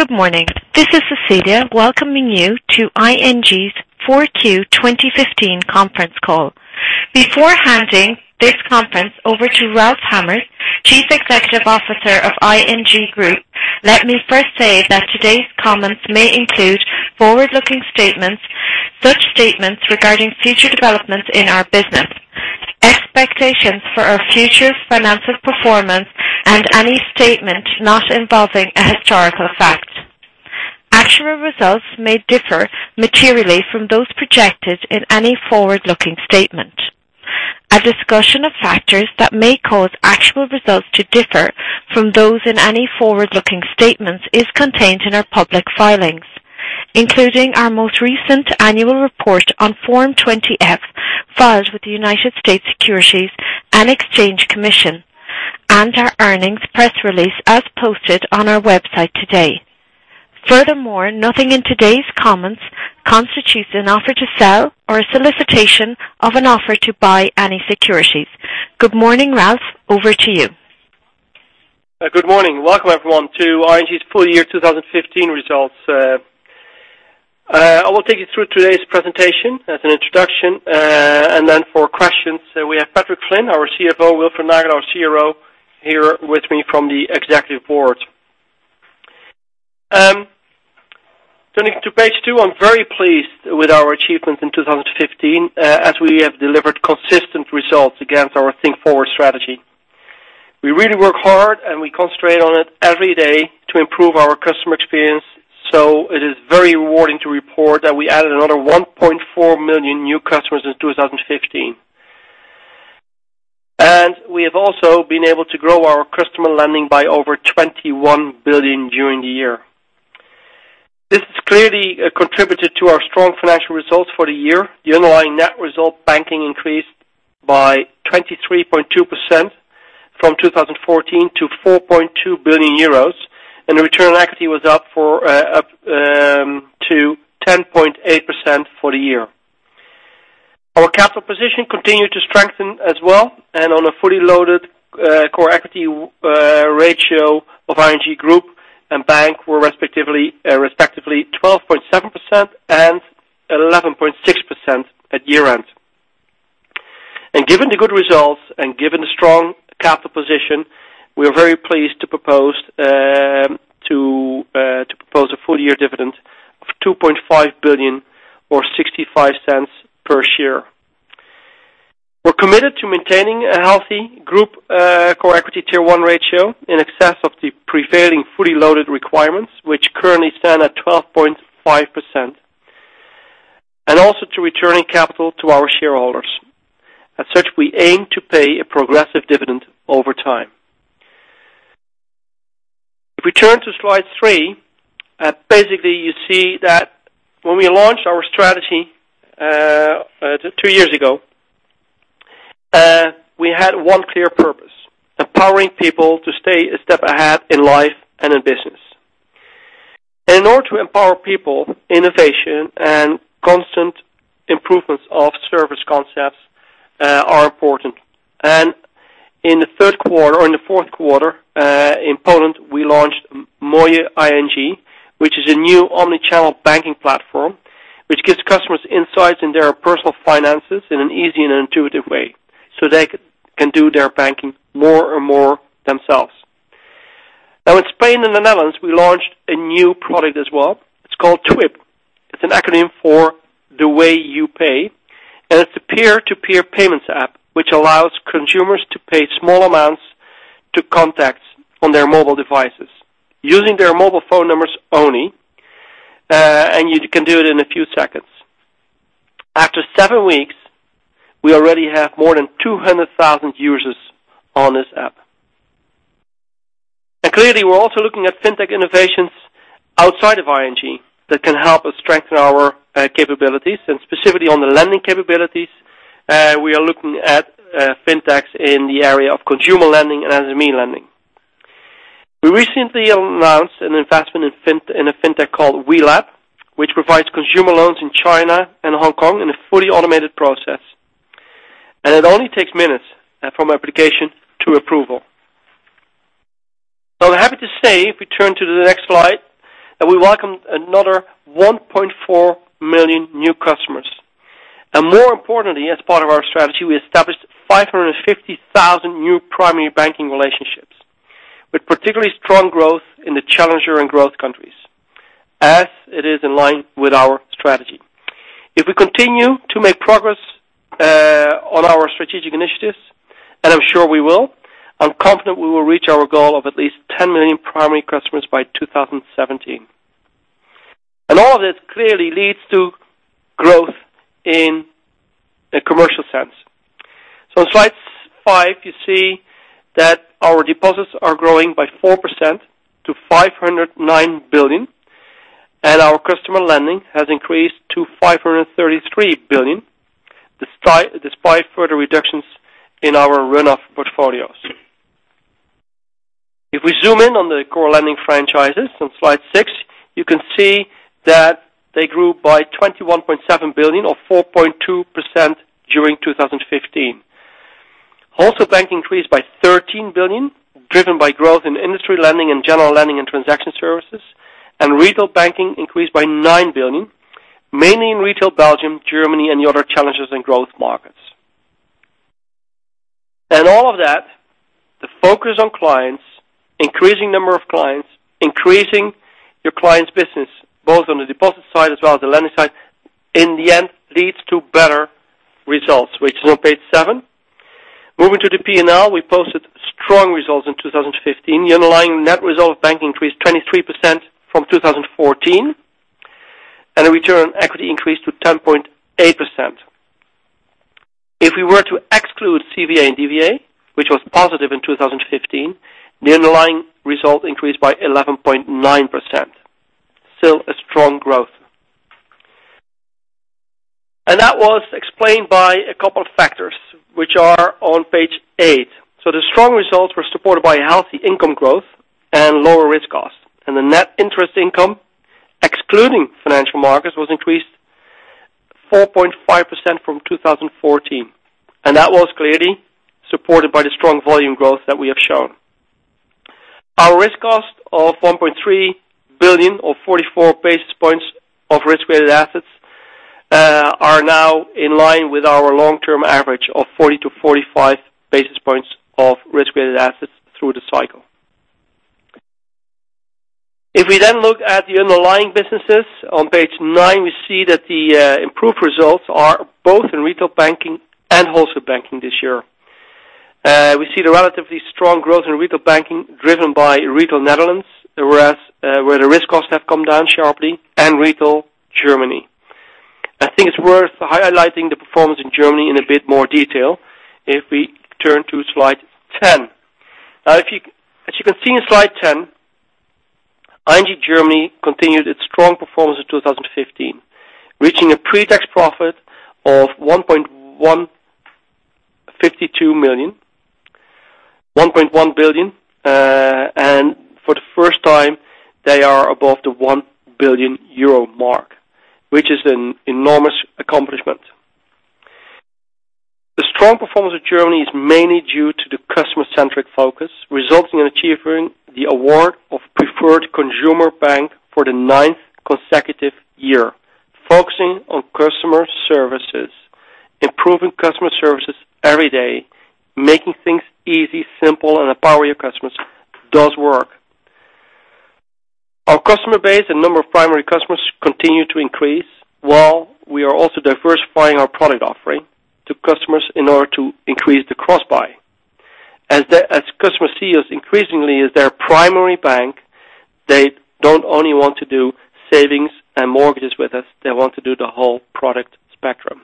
Good morning. This is Cecilia welcoming you to ING's 4Q 2015 conference call. Before handing this conference over to Ralph Hamers, Chief Executive Officer of ING Groep, let me first say that today's comments may include forward-looking statements, such statements regarding future developments in our business, expectations for our future financial performance, and any statement not involving a historical fact. Actual results may differ materially from those projected in any forward-looking statement. A discussion of factors that may cause actual results to differ from those in any forward-looking statements is contained in our public filings, including our most recent annual report on Form 20-F, filed with the United States Securities and Exchange Commission, and our earnings press release as posted on our website today. Furthermore, nothing in today's comments constitutes an offer to sell or a solicitation of an offer to buy any securities. Good morning, Ralph. Over to you. Good morning. Welcome, everyone, to ING's full year 2015 results. I will take you through today's presentation as an introduction. For questions, we have Patrick Flynn, our CFO, Wilfred Nagel, our CRO, here with me from the executive board. Turning to page two, I'm very pleased with our achievements in 2015, as we have delivered consistent results against our Think Forward strategy. We really work hard, and we concentrate on it every day to improve our customer experience. It is very rewarding to report that we added another 1.4 million new customers in 2015. We have also been able to grow our customer lending by over 21 billion during the year. This has clearly contributed to our strong financial results for the year. The underlying net result banking increased by 23.2% from 2014 to 4.2 billion euros. The return on equity was up to 10.8% for the year. Our capital position continued to strengthen as well. On a fully loaded Core Equity Tier 1 ratio of ING Groep and bank were respectively 12.7% and 11.6% at year-end. Given the good results and given the strong capital position, we are very pleased to propose a full-year dividend of 2.5 billion or 0.65 per share. We're committed to maintaining a healthy group Core Equity Tier 1 ratio in excess of the prevailing fully loaded requirements, which currently stand at 12.5%, also to returning capital to our shareholders. As such, we aim to pay a progressive dividend over time. If we turn to slide three, basically you see that when we launched our strategy two years ago, we had one clear purpose: empowering people to stay a step ahead in life and in business. In order to empower people, innovation and constant improvements of service concepts are important. In the fourth quarter, in Poland, we launched Moje ING, which is a new omnichannel banking platform which gives customers insights in their personal finances in an easy and intuitive way, they can do their banking more and more themselves. In Spain and the Netherlands, we launched a new product as well. It's called Twyp. It's an acronym for The Way You Pay, it's a peer-to-peer payments app which allows consumers to pay small amounts to contacts on their mobile devices using their mobile phone numbers only, and you can do it in a few seconds. After seven weeks, we already have more than 200,000 users on this app. Clearly, we're also looking at fintech innovations outside of ING that can help us strengthen our capabilities, and specifically on the lending capabilities, we are looking at fintechs in the area of consumer lending and SME lending. We recently announced an investment in a fintech called WeLab, which provides consumer loans in China and Hong Kong in a fully automated process. It only takes minutes from application to approval. I'm happy to say, if we turn to the next slide, that we welcomed another 1.4 million new customers. More importantly, as part of our strategy, we established 550,000 new primary banking relationships with particularly strong growth in the challenger and growth countries, as it is in line with our strategy. If we continue to make progress on our strategic initiatives, and I'm sure we will, I'm confident we will reach our goal of at least 10 million primary customers by 2017. All of this clearly leads to growth in a commercial sense. On slide five, you see that our deposits are growing by 4% to 509 billion, and our customer lending has increased to 533 billion, despite further reductions in our run-off portfolios. If we zoom in on the core lending franchises on slide six, you can see that they grew by 21.7 billion or 4.2% during 2015. Wholesale banking increased by 13 billion, driven by growth in industry lending and general lending and transaction services, and retail banking increased by 9 billion, mainly in Retail Belgium, Germany, and the other challenges in growth markets. All of that, the focus on clients, increasing number of clients, increasing your clients' business, both on the deposit side as well as the lending side, in the end leads to better results, which is on page seven. Moving to the P&L, we posted strong results in 2015. The underlying net result of bank increased 23% from 2014, and the return on equity increased to 10.8%. If we were to exclude CVA and DVA, which was positive in 2015, the underlying result increased by 11.9%. Still a strong growth. That was explained by a couple of factors which are on page eight. The strong results were supported by a healthy income growth and lower risk costs. The net interest income, excluding financial markets, was increased 4.5% from 2014. That was clearly supported by the strong volume growth that we have shown. Our risk cost of 1.3 billion or 44 basis points of risk-weighted assets, are now in line with our long-term average of 40 to 45 basis points of risk-weighted assets through the cycle. If we then look at the underlying businesses on page nine, we see that the improved results are both in retail banking and wholesale banking this year. We see the relatively strong growth in retail banking driven by Retail Netherlands, whereas where the risk costs have come down sharply and Retail Germany. I think it's worth highlighting the performance in Germany in a bit more detail if we turn to slide 10. As you can see in slide 10, ING Germany continued its strong performance in 2015, reaching a pre-tax profit of 1.152 million, 1.1 billion. For the first time, they are above the 1 billion euro mark, which is an enormous accomplishment. The strong performance of Germany is mainly due to the customer-centric focus, resulting in achieving the award of preferred consumer bank for the ninth consecutive year. Focusing on customer services, improving customer services every day, making things easy, simple, and empowering your customers does work. Our customer base and number of primary customers continue to increase, while we are also diversifying our product offering to customers in order to increase the cross-buy. As customers see us increasingly as their primary bank, they do not only want to do savings and mortgages with us, they want to do the whole product spectrum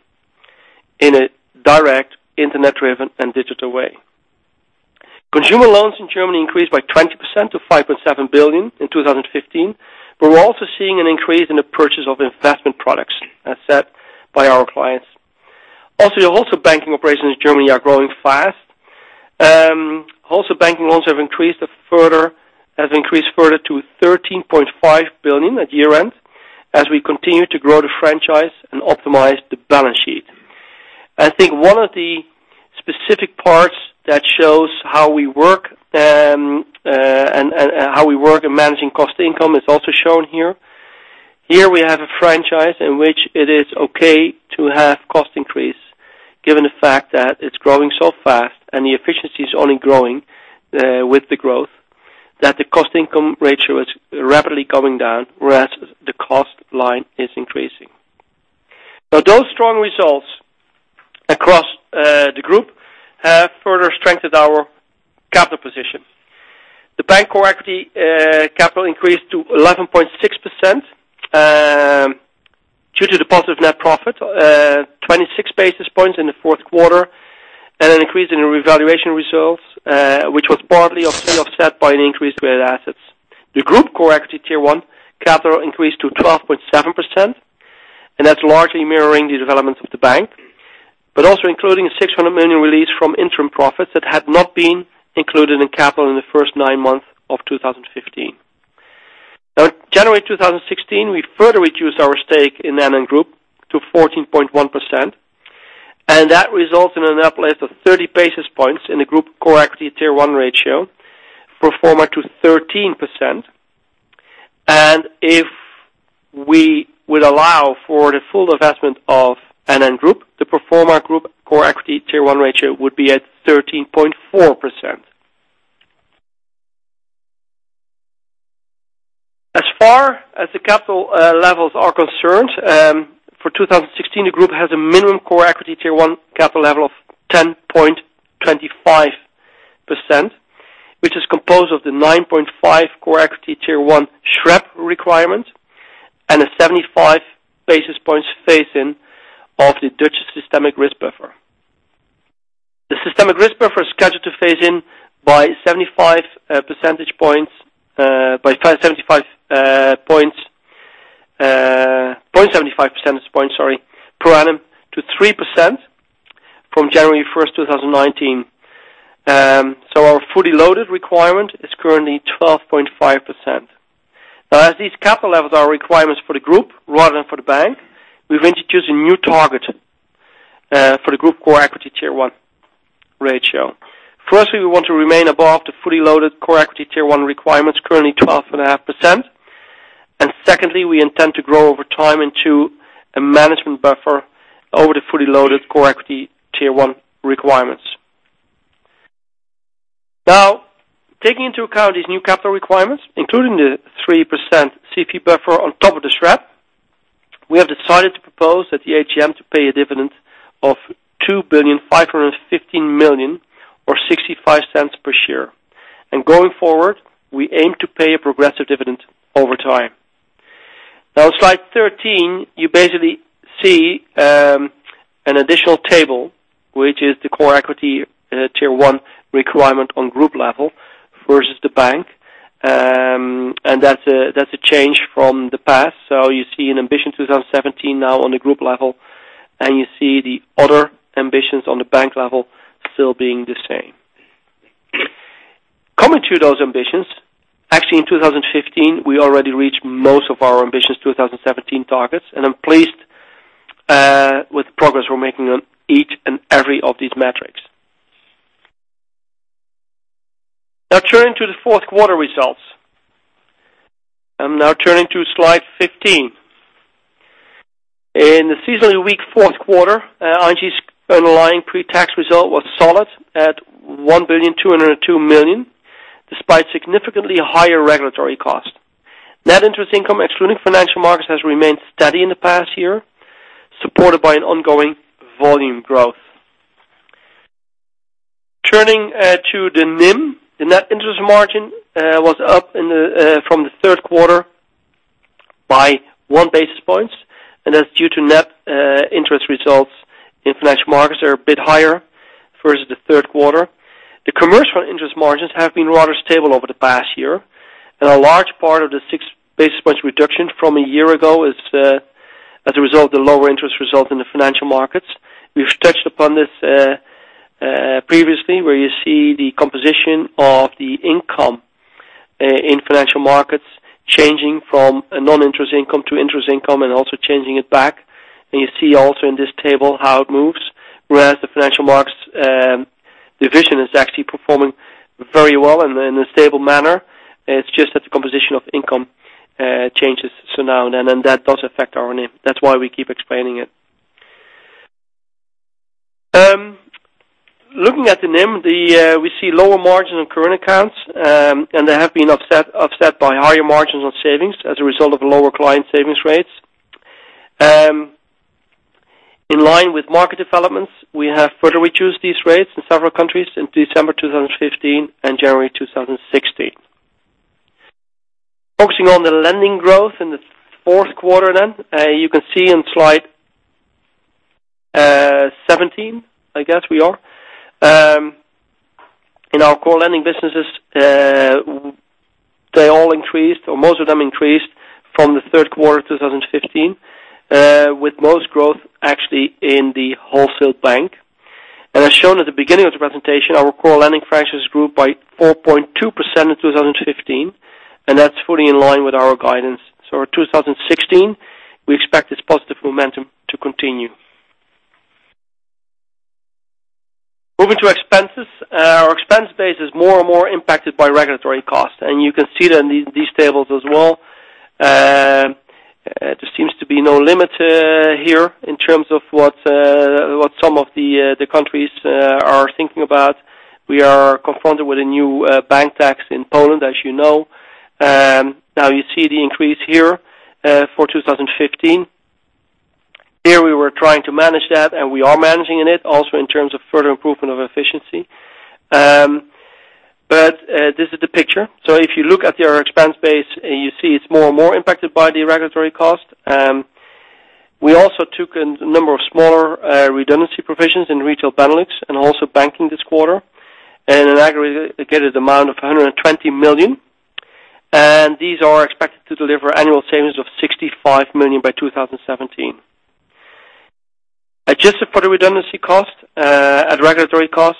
in a direct internet-driven and digital way. Consumer loans in Germany increased by 20% to 5.7 billion in 2015, but we are also seeing an increase in the purchase of investment products, as said by our clients. The Wholesale Banking operations in Germany are growing fast. Wholesale Banking loans have increased further to 13.5 billion at year-end as we continue to grow the franchise and optimize the balance sheet. One of the specific parts that shows how we work in managing cost-income is also shown here. Here we have a franchise in which it is okay to have cost increase, given the fact that it is growing so fast and the efficiency is only growing with the growth, that the cost-income ratio is rapidly coming down, whereas the cost line is increasing. Those strong results across the group have further strengthened our capital position. The bank Core Equity Tier 1 capital increased to 11.6% due to the positive net profit, 26 basis points in the fourth quarter, and an increase in the revaluation results, which was partly offset by an increase in weighted assets. The group Core Equity Tier 1 capital increased to 12.7%, and that is largely mirroring the developments of the bank, but also including a 600 million release from interim profits that had not been included in capital in the first nine months of 2015. January 2016, we further reduced our stake in NN Group to 14.1%, and that results in an uplift of 30 basis points in the group Core Equity Tier 1 ratio pro forma to 13%. If we would allow for the full divestment of NN Group, the pro forma group Core Equity Tier 1 ratio would be at 13.4%. As far as the capital levels are concerned, for 2016, the group has a minimum Core Equity Tier 1 capital level of 10.25%, which is composed of the 9.5% Core Equity Tier 1 SREP requirement and a 75 basis points phase-in of the Dutch systemic risk buffer. The systemic risk buffer is scheduled to phase in by 0.75% per annum to 3% from January 1st, 2019. So our fully loaded requirement is currently 12.5%. As these capital levels are requirements for the group rather than for the bank, we have introduced a new target for the group Core Equity Tier 1 ratio. Firstly, we want to remain above the fully loaded Core Equity Tier 1 requirements, currently 12.5%. Secondly, we intend to grow over time into a management buffer over the fully loaded Core Equity Tier 1 requirements. Taking into account these new capital requirements, including the 3% CRD buffer on top of the SREP, we have decided to propose at the AGM to pay a dividend of 2.515 billion or 0.65 per share. Going forward, we aim to pay a progressive dividend over time. Slide 13, you basically see an additional table, which is the Core Equity Tier 1 requirement on group level versus the bank. That's a change from the past. You see an ambition 2017 now on the group level, and you see the other ambitions on the bank level still being the same. Coming to those ambitions, actually, in 2015, we already reached most of our ambitions 2017 targets, and I'm pleased with the progress we're making on each and every of these metrics. Turning to the fourth quarter results. I'm now turning to slide 15. In the seasonally weak fourth quarter, ING's underlying pre-tax result was solid at 1.202 billion, despite significantly higher regulatory cost. Net interest income, excluding Financial Markets, has remained steady in the past year, supported by an ongoing volume growth. Turning to the NIM, the net interest margin was up from the third quarter by one basis point, that's due to net interest results in Financial Markets are a bit higher versus the third quarter. The commercial interest margins have been rather stable over the past year, and a large part of the six basis points reduction from a year ago is as a result of the lower interest result in the Financial Markets. We've touched upon this previously where you see the composition of the income in Financial Markets changing from a non-interest income to interest income and also changing it back. You see also in this table how it moves, whereas the Financial Markets division is actually performing very well and in a stable manner. It's just that the composition of income changes so now and then, that does affect our NIM. That's why we keep explaining it. Looking at the NIM, we see lower margins on current accounts, they have been offset by higher margins on savings as a result of lower client savings rates. In line with market developments, we have further reduced these rates in several countries in December 2015 and January 2016. Focusing on the lending growth in the fourth quarter, you can see in slide 17, I guess we are. In our core lending businesses, they all increased, or most of them increased from the third quarter of 2015, with most growth actually in the Wholesale Bank. As shown at the beginning of the presentation, our core lending fractions grew by 4.2% in 2015, that's fully in line with our guidance. In 2016, we expect this positive momentum to continue. Moving to expenses. Our expense base is more and more impacted by regulatory costs, you can see that in these tables as well. There seems to be no limit here in terms of what some of the countries are thinking about. We are confronted with a new bank tax in Poland, as you know. You see the increase here for 2015. Here we were trying to manage that, we are managing in it also in terms of further improvement of efficiency. This is the picture. If you look at our expense base, you see it's more and more impacted by the regulatory cost. We also took a number of smaller redundancy provisions in Retail Benelux and also banking this quarter in an aggregated amount of 120 million. These are expected to deliver annual savings of 65 million by 2017. Adjusted for the redundancy cost and regulatory cost,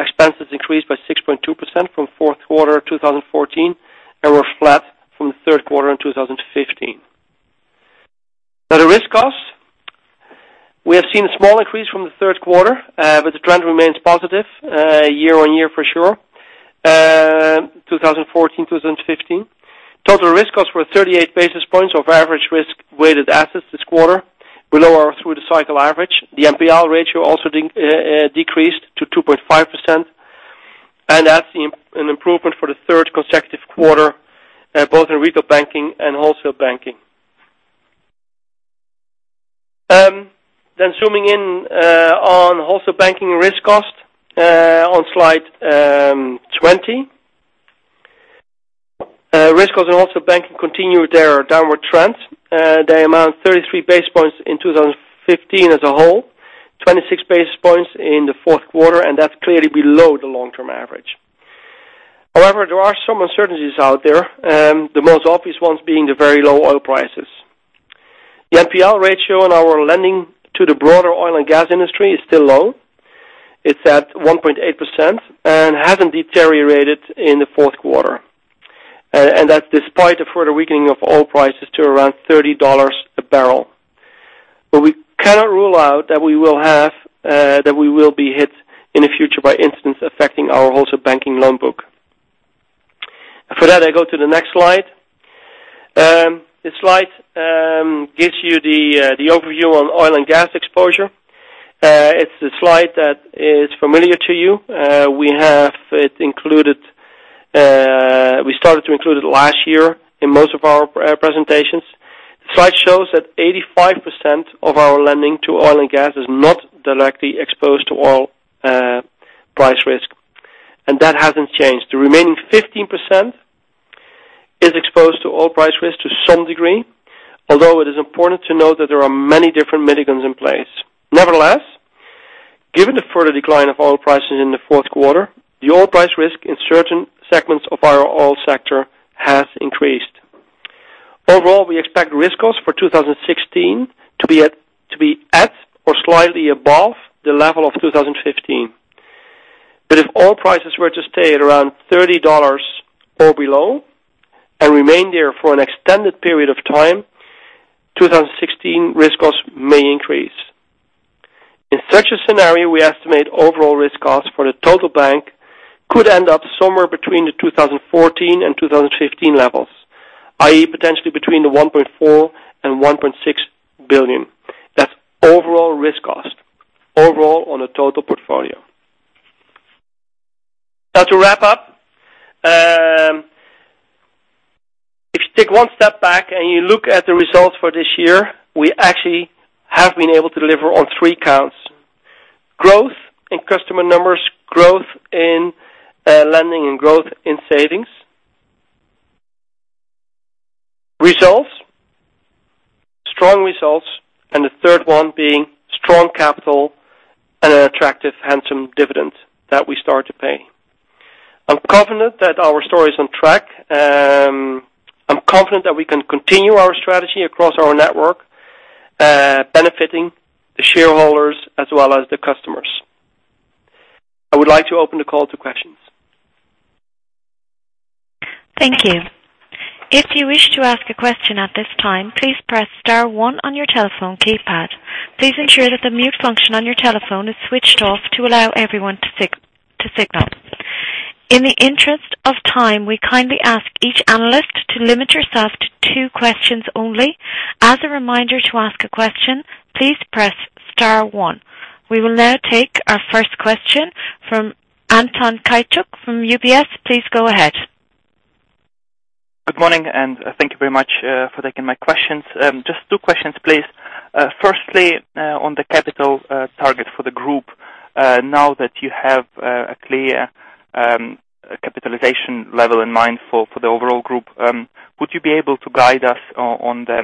expenses increased by 6.2% from fourth quarter 2014 and were flat from the third quarter in 2015. The risk cost. We have seen a small increase from the third quarter, but the trend remains positive year-on-year for sure, 2014, 2015. Total risk costs were 38 basis points over average risk-weighted assets this quarter. Below our through-the-cycle average. The NPL ratio also decreased to 2.5%, and that's an improvement for the third consecutive quarter, both in retail banking and wholesale banking. Zooming in on wholesale banking risk cost on slide 20. Risk costs in wholesale banking continued their downward trend. They amount 33 basis points in 2015 as a whole, 26 basis points in the fourth quarter, and that's clearly below the long-term average. However, there are some uncertainties out there. The most obvious ones being the very low oil prices. The NPL ratio on our lending to the broader oil and gas industry is still low. It's at 1.8% and hasn't deteriorated in the fourth quarter. That's despite a further weakening of oil prices to around $30 a barrel. We cannot rule out that we will be hit in the future by instances affecting our wholesale banking loan book. For that, I go to the next slide. This slide gives you the overview on oil and gas exposure. It's a slide that is familiar to you. We started to include it last year in most of our presentations. The slide shows that 85% of our lending to oil and gas is not directly exposed to oil price risk. That hasn't changed. The remaining 15% is exposed to oil price risk to some degree, although it is important to note that there are many different mitigants in place. Nevertheless, given the further decline of oil prices in the fourth quarter, the oil price risk in certain segments of our oil sector has increased. Overall, we expect risk costs for 2016 to be at or slightly above the level of 2015. If oil prices were to stay at around $30 or below and remain there for an extended period of time, 2016 risk costs may increase. In such a scenario, we estimate overall risk cost for the total bank could end up somewhere between the 2014 and 2015 levels, i.e., potentially between 1.4 billion-1.6 billion. That's overall risk cost, overall on the total portfolio. To wrap up. If you take one step back and you look at the results for this year, we actually have been able to deliver on three counts: growth in customer numbers, growth in lending, and growth in savings. Results, strong results, and the third one being strong capital and an attractive, handsome dividend that we start to pay. I'm confident that our story is on track. I'm confident that we can continue our strategy across our network, benefiting the shareholders as well as the customers. I would like to open the call to questions. Thank you. If you wish to ask a question at this time, please press *1 on your telephone keypad. Please ensure that the mute function on your telephone is switched off to allow everyone to signal. In the interest of time, we kindly ask each analyst to limit yourself to two questions only. As a reminder to ask a question, please press *1. We will now take our first question from Anton Heese from UBS. Please go ahead. Good morning, and thank you very much for taking my questions. Just two questions, please. Firstly, on the capital target for the group. Now that you have a clear capitalization level in mind for the overall group, would you be able to guide us on the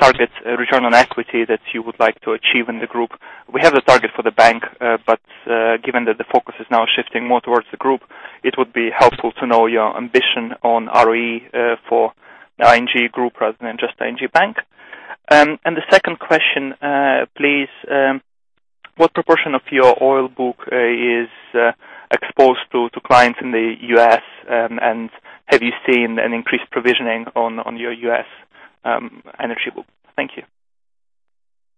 target ROE that you would like to achieve in the group? We have the target for the bank, given that the focus is now shifting more towards the group, it would be helpful to know your ambition on ROE for the ING Groep rather than just the ING Bank. The second question, please, what proportion of your oil book is exposed to clients in the U.S., and have you seen an increased provisioning on your U.S. energy book? Thank you.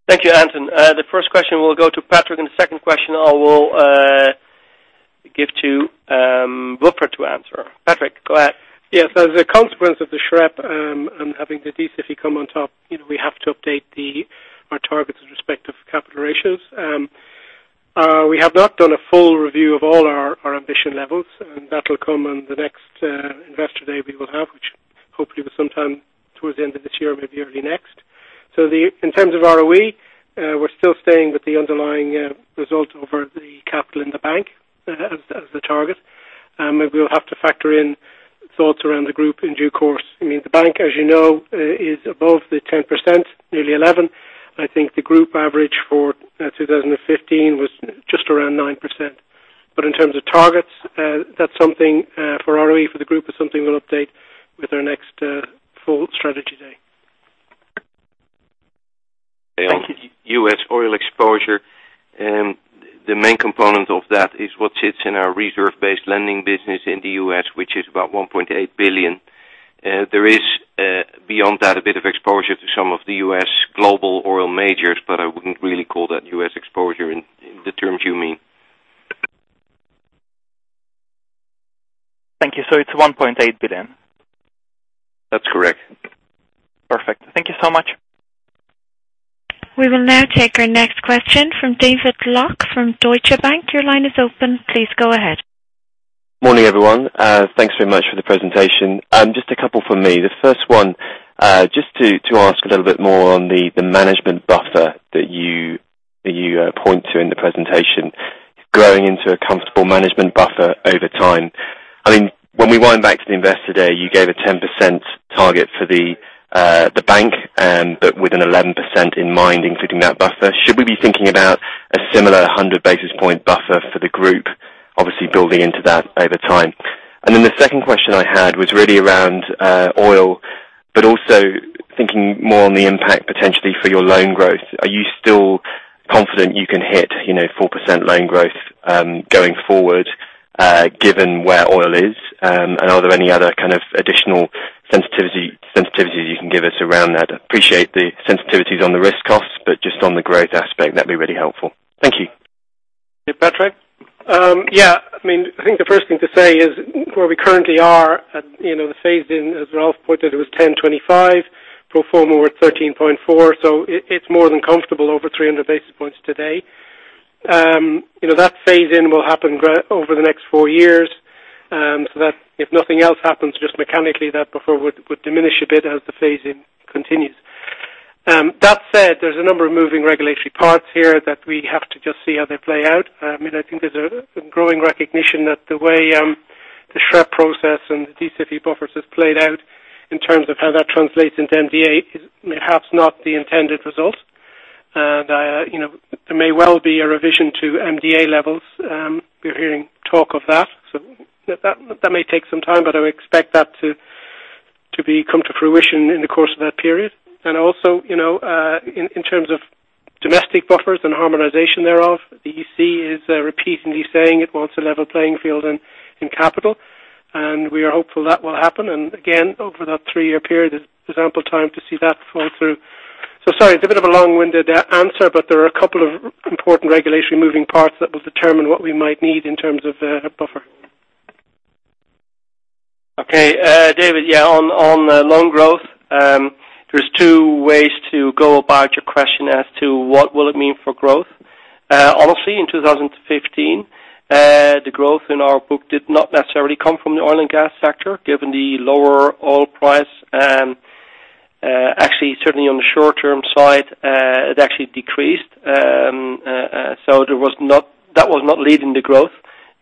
Thank you, Anton. The first question will go to Patrick, the second question I will give to Wilfred to answer. Patrick, go ahead. Yes. As a consequence of the SREP and having the D-SIB come on top, we have to update our targets with respect of capital ratios. We have not done a full review of all our ambition levels, that will come on the next investor day we will have, which hopefully will be sometime towards the end of this year, maybe early next. In terms of ROE, we're still staying with the underlying result over the capital in the bank as the target. We'll have to factor in thoughts around the group in due course. The bank, as you know, is above the 10%, nearly 11%. I think the group average for 2015 was just around 9%. In terms of targets, ROE for the group is something we'll update with our next full strategy day. Thank you. On U.S. oil exposure. The main component of that is what sits in our reserve based lending business in the U.S., which is about $1.8 billion. There is beyond that, a bit of exposure to some of the U.S. global oil majors, but I wouldn't really call that U.S. exposure in the terms you mean. Thank you. It's $1.8 billion? That's correct. Perfect. Thank you so much. We will now take our next question from David Lock from Deutsche Bank. Your line is open. Please go ahead. Morning, everyone. Thanks very much for the presentation. Just a couple from me. The first one, just to ask a little bit more on the management buffer that you point to in the presentation, growing into a comfortable management buffer over time. When we wind back to the investor day, you gave a 10% target for the bank, but with an 11% in mind, including that buffer. Should we be thinking about a similar 100 basis points buffer for the group, obviously building into that over time? The second question I had was really around oil, but also thinking more on the impact potentially for your loan growth. Are you still confident you can hit 4% loan growth going forward given where oil is, and are there any other additional sensitivities you can give us around that? I appreciate the sensitivities on the risk costs, but just on the growth aspect, that'd be really helpful. Thank you. Patrick? I think the first thing to say is where we currently are at the phase-in, as Ralph pointed out, it was 10.25, pro forma we are at 13.4, so it is more than comfortable over 300 basis points today. That phase-in will happen over the next 4 years, if nothing else happens, just mechanically that buffer would diminish a bit as the phase-in continues. That said, there is a number of moving regulatory parts here that we have to just see how they play out. I think there is a growing recognition that the way the SREP process and the D-SIB buffers has played out in terms of how that translates into MDA is perhaps not the intended result. There may well be a revision to MDA levels. We are hearing talk of that. That may take some time, but I would expect that to come to fruition in the course of that period. Also, in terms of domestic buffers and harmonization thereof, the EC is repeatedly saying it wants a level playing field in capital, and we are hopeful that will happen. Again, over that 3-year period, there is ample time to see that fall through. Sorry, it is a bit of a long-winded answer, but there are a couple of important regulatory moving parts that will determine what we might need in terms of a buffer. Okay. David, yeah, on loan growth, there are 2 ways to go about your question as to what will it mean for growth. Honestly, in 2015, the growth in our book did not necessarily come from the oil and gas sector, given the lower oil price. Actually, certainly on the short-term side, it actually decreased. That was not leading to growth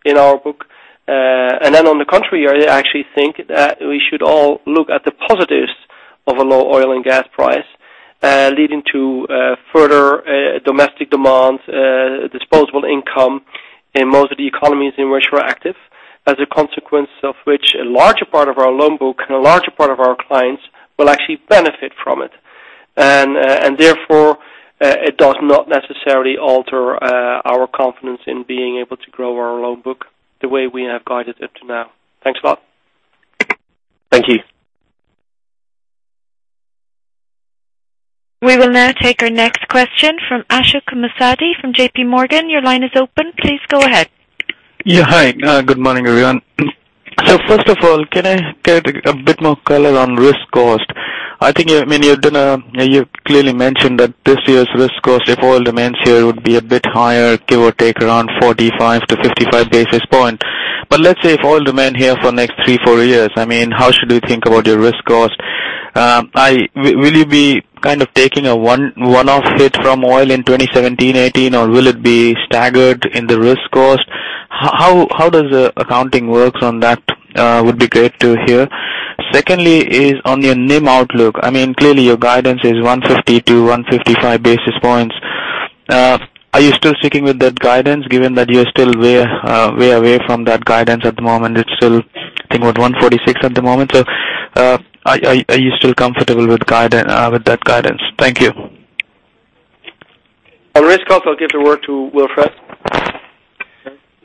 in our book. On the contrary, I actually think that we should all look at the positives of a low oil and gas price leading to further domestic demand, disposable income in most of the economies in which we are active, as a consequence of which a larger part of our loan book and a larger part of our clients will actually benefit from it. Therefore, it does not necessarily alter our confidence in being able to grow our loan book the way we have guided up to now. Thanks a lot. Thank you. We will now take our next question from Ashik Musaddi from JPMorgan. Your line is open. Please go ahead. Yeah, hi. Good morning, everyone. First of all, can I get a bit more color on risk cost? I think you've clearly mentioned that this year's risk cost, if oil remains here, would be a bit higher, give or take around 45-55 basis point. Let's say if oil demand here for next three, four years, how should we think about your risk cost? Will you be taking a one-off hit from oil in 2017, 2018, or will it be staggered in the risk cost? How does the accounting works on that would be great to hear. Secondly is on your NIM outlook. Clearly, your guidance is 150-155 basis points. Are you still sticking with that guidance given that you're still way away from that guidance at the moment? It's still, I think, what, 146 at the moment. Are you still comfortable with that guidance? Thank you. Risk cost, I'll give the word to Wilfred.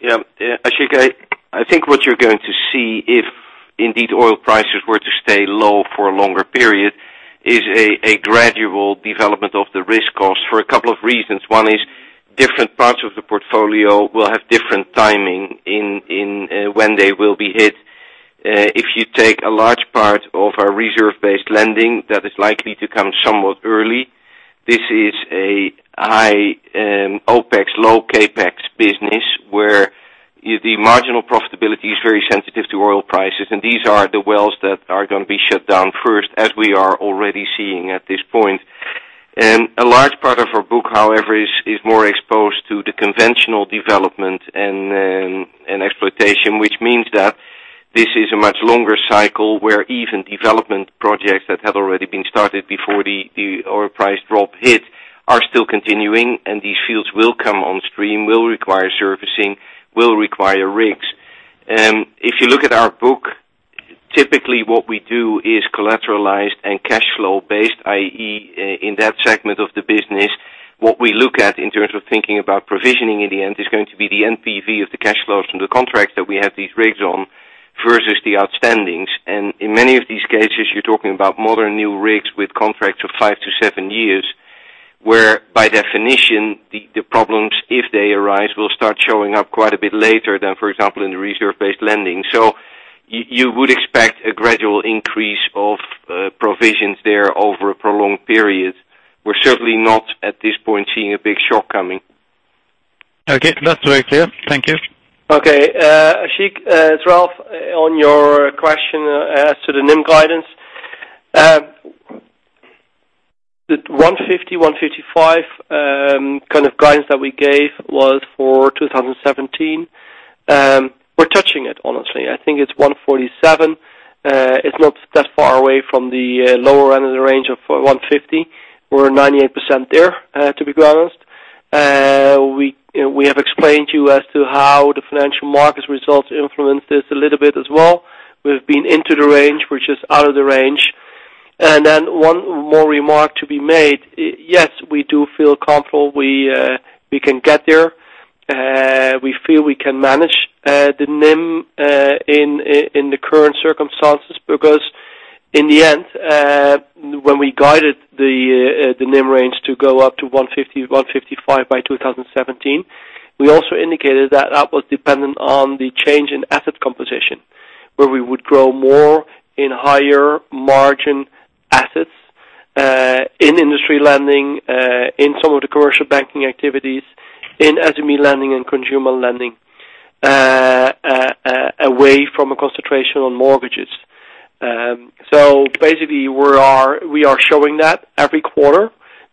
Yeah. Ashik, I think what you're going to see, if indeed oil prices were to stay low for a longer period, is a gradual development of the risk cost for a couple of reasons. One is different parts of the portfolio will have different timing in when they will be hit. If you take a large part of our reserve-based lending, that is likely to come somewhat early. This is a high OpEx, low CapEx business where the marginal profitability is very sensitive to oil prices, and these are the wells that are going to be shut down first, as we are already seeing at this point. A large part of our book, however, is more exposed to the conventional development and exploitation, which means that this is a much longer cycle where even development projects that have already been started before the oil price drop hit are still continuing, and these fields will come on stream, will require servicing, will require rigs. If you look at our book, typically what we do is collateralized and cash flow based, i.e., in that segment of the business, what we look at in terms of thinking about provisioning in the end is going to be the NPV of the cash flows from the contracts that we have these rigs on versus the outstandings. In many of these cases, you're talking about modern new rigs with contracts of 5 to 7 years, where, by definition, the problems, if they arise, will start showing up quite a bit later than, for example, in the reserve-based lending. You would expect a gradual increase of provisions there over a prolonged period. We're certainly not, at this point, seeing a big shortcoming. Okay, that's very clear. Thank you. Okay. Ashik, it's Ralph. On your question as to the NIM guidance. 150, 155 guidance that we gave was for 2017. We're touching it, honestly. I think it's 147. It's not that far away from the lower end of the range of 150. We're 98% there, to be honest. We have explained to you as to how the financial markets results influence this a little bit as well. We've been into the range, which is out of the range. One more remark to be made. Yes, we do feel comfortable we can get there. We feel we can manage the NIM in the current circumstances because, in the end, when we guided the NIM range to go up to 150, 155 by 2017, we also indicated that was dependent on the change in asset composition, where we would grow more in higher margin assets, in industry lending, in some of the commercial banking activities, in SME lending and consumer lending, away from a concentration on mortgages. We are showing that every quarter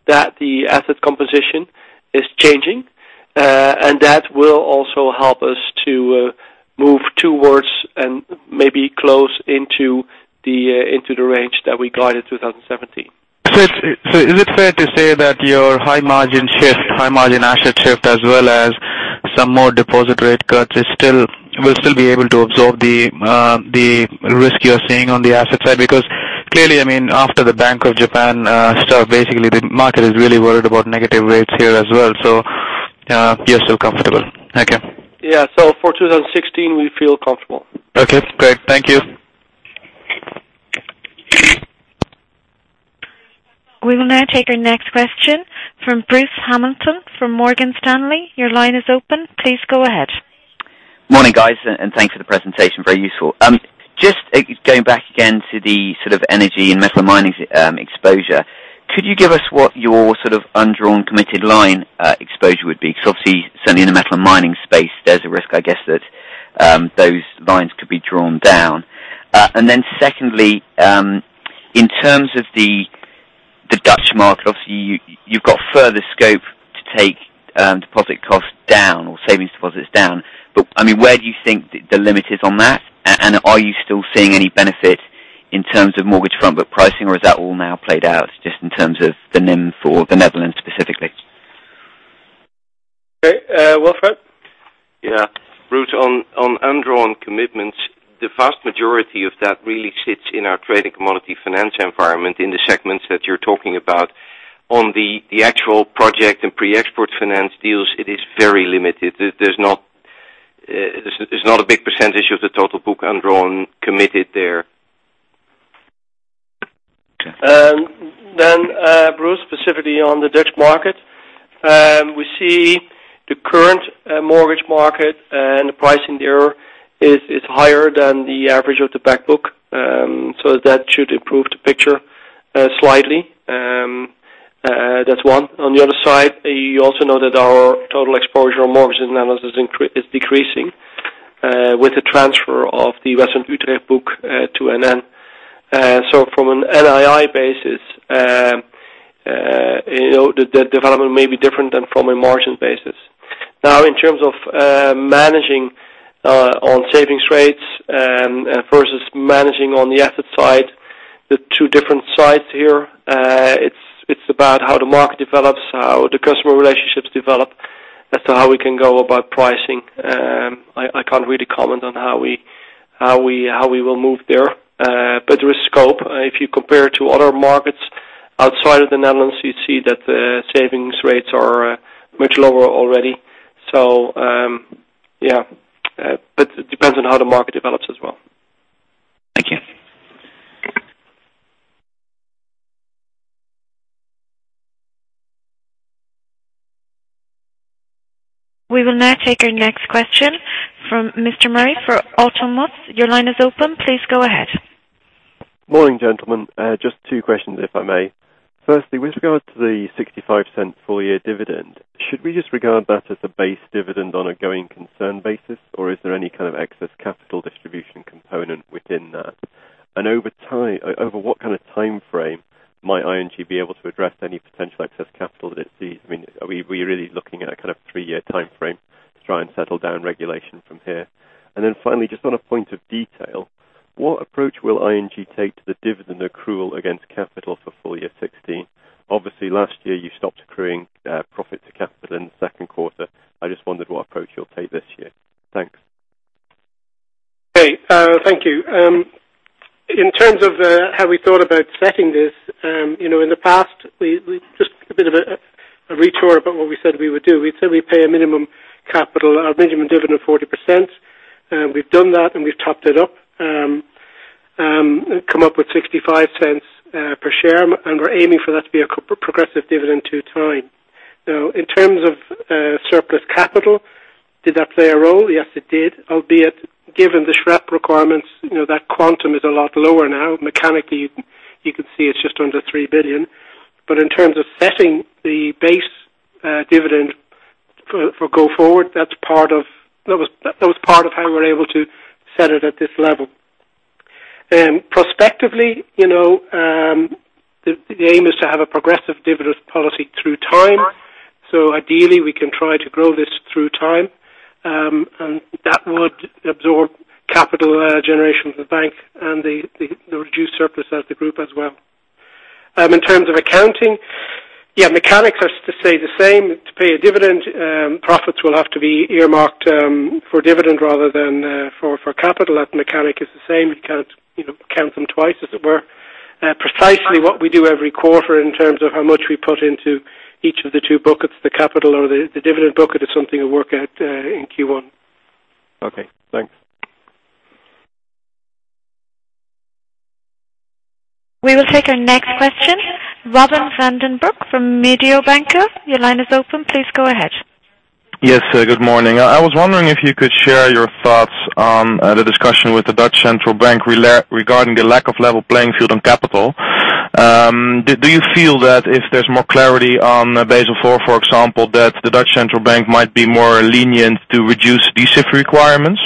that the asset composition is changing. That will also help us to move towards and maybe close into the range that we guided 2017. Is it fair to say that your high margin asset shift, as well as some more deposit rate cuts, will still be able to absorb the risk you're seeing on the asset side? After the Bank of Japan stuff, basically the market is really worried about negative rates here as well. You're still comfortable. Okay. Yeah. For 2016, we feel comfortable. Okay, great. Thank you. We will now take our next question from Bruce Hamilton from Morgan Stanley. Your line is open. Please go ahead. Morning, guys, thanks for the presentation. Very useful. Just going back again to the sort of energy and metal mining exposure, could you give us what your undrawn committed line exposure would be? Obviously, certainly in the metal mining space, there's a risk, I guess, that those lines could be drawn down. Then secondly, in terms of the Dutch market, obviously, you've got further scope to take deposit costs down or savings deposits down. Where do you think the limit is on that? Are you still seeing any benefit in terms of mortgage front book pricing, or is that all now played out just in terms of the NIM for the Netherlands specifically? Okay. Wilfred? Yeah. Bruce, on undrawn commitments, the vast majority of that really sits in our trading commodity finance environment in the segments that you are talking about. On the actual project and pre-export finance deals, it is very limited. There is not a big percentage of the total book undrawn committed there. Bruce, specifically on the Dutch market, we see the current mortgage market and the pricing there is higher than the average of the back book. That should improve the picture slightly. That is one. On the other side, you also know that our total exposure on mortgages in the Netherlands is decreasing with the transfer of the WestlandUtrecht Bank book to NN. From an NII basis, the development may be different than from a margin basis. Now, in terms of managing on savings rates versus managing on the asset side, the two different sides here, it is about how the market develops, how the customer relationships develop as to how we can go about pricing. I cannot really comment on how we will move there. There is scope. If you compare to other markets outside of the Netherlands, you see that the savings rates are much lower already. Yeah. It depends on how the market develops as well. Thank you. We will now take our next question from Mr. Murray for Autonomous Research. Your line is open. Please go ahead. Morning, gentlemen. Just two questions, if I may. Firstly, with regard to the 0.65 full-year dividend, should we just regard that as a base dividend on a going concern basis, or is there any kind of excess capital distribution component within that? Over what kind of timeframe might ING be able to address any potential excess capital that it sees? Are we really looking at a kind of three-year timeframe to try and settle down regulation from here? Finally, just on a point of detail, what approach will ING take to the dividend accrual against capital for full year 2016? Obviously, last year, you stopped accruing profit to capital in the second quarter. I just wondered what approach you'll take this year. Thanks. Okay. Thank you. In terms of how we thought about setting this, in the past, just a bit of a retort about what we said we would do. We said we'd pay a minimum dividend of 40%. We've done that, and we've topped it up, come up with 0.65 per share, and we're aiming for that to be a progressive dividend to time. Now, in terms of surplus capital, did that play a role? Yes, it did, albeit given the SREP requirements, that quantum is a lot lower now. Mechanically, you can see it's just under 3 billion. In terms of setting the base dividend for go forward, that was part of how we were able to set it at this level. Prospectively, the aim is to have a progressive dividend policy through time. Ideally, we can try to grow this through time, and that would absorb capital generation from the bank and the reduced surplus as the group as well. In terms of accounting, mechanics are to stay the same. To pay a dividend, profits will have to be earmarked for dividend rather than for capital. That mechanic is the same. It counts them twice, as it were. Precisely what we do every quarter in terms of how much we put into each of the two buckets, the capital or the dividend bucket is something we'll work out in Q1. Okay, thanks. We will take our next question. Robin van den Broek from Mediobanca, your line is open. Please go ahead. Yes, good morning. I was wondering if you could share your thoughts on the discussion with the Dutch Central Bank regarding the lack of level playing field on capital. Do you feel that if there's more clarity on Basel IV, for example, that the Dutch Central Bank might be more lenient to reduce D-SIB requirements?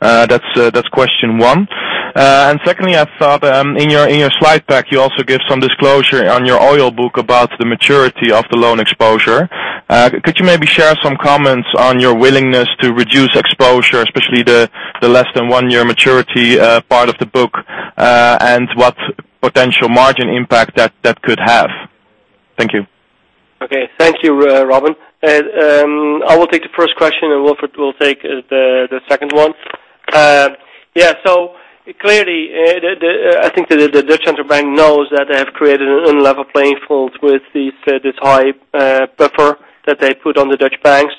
That's question one. Secondly, I thought in your slide pack, you also give some disclosure on your oil book about the maturity of the loan exposure. Could you maybe share some comments on your willingness to reduce exposure, especially the less than one-year maturity part of the book, and what potential margin impact that could have? Thank you. Okay. Thank you, Robin. I will take the first question, and Wilfred will take the second one. Clearly, I think that the Dutch Central Bank knows that they have created an unlevel playing field with this high buffer that they put on the Dutch banks.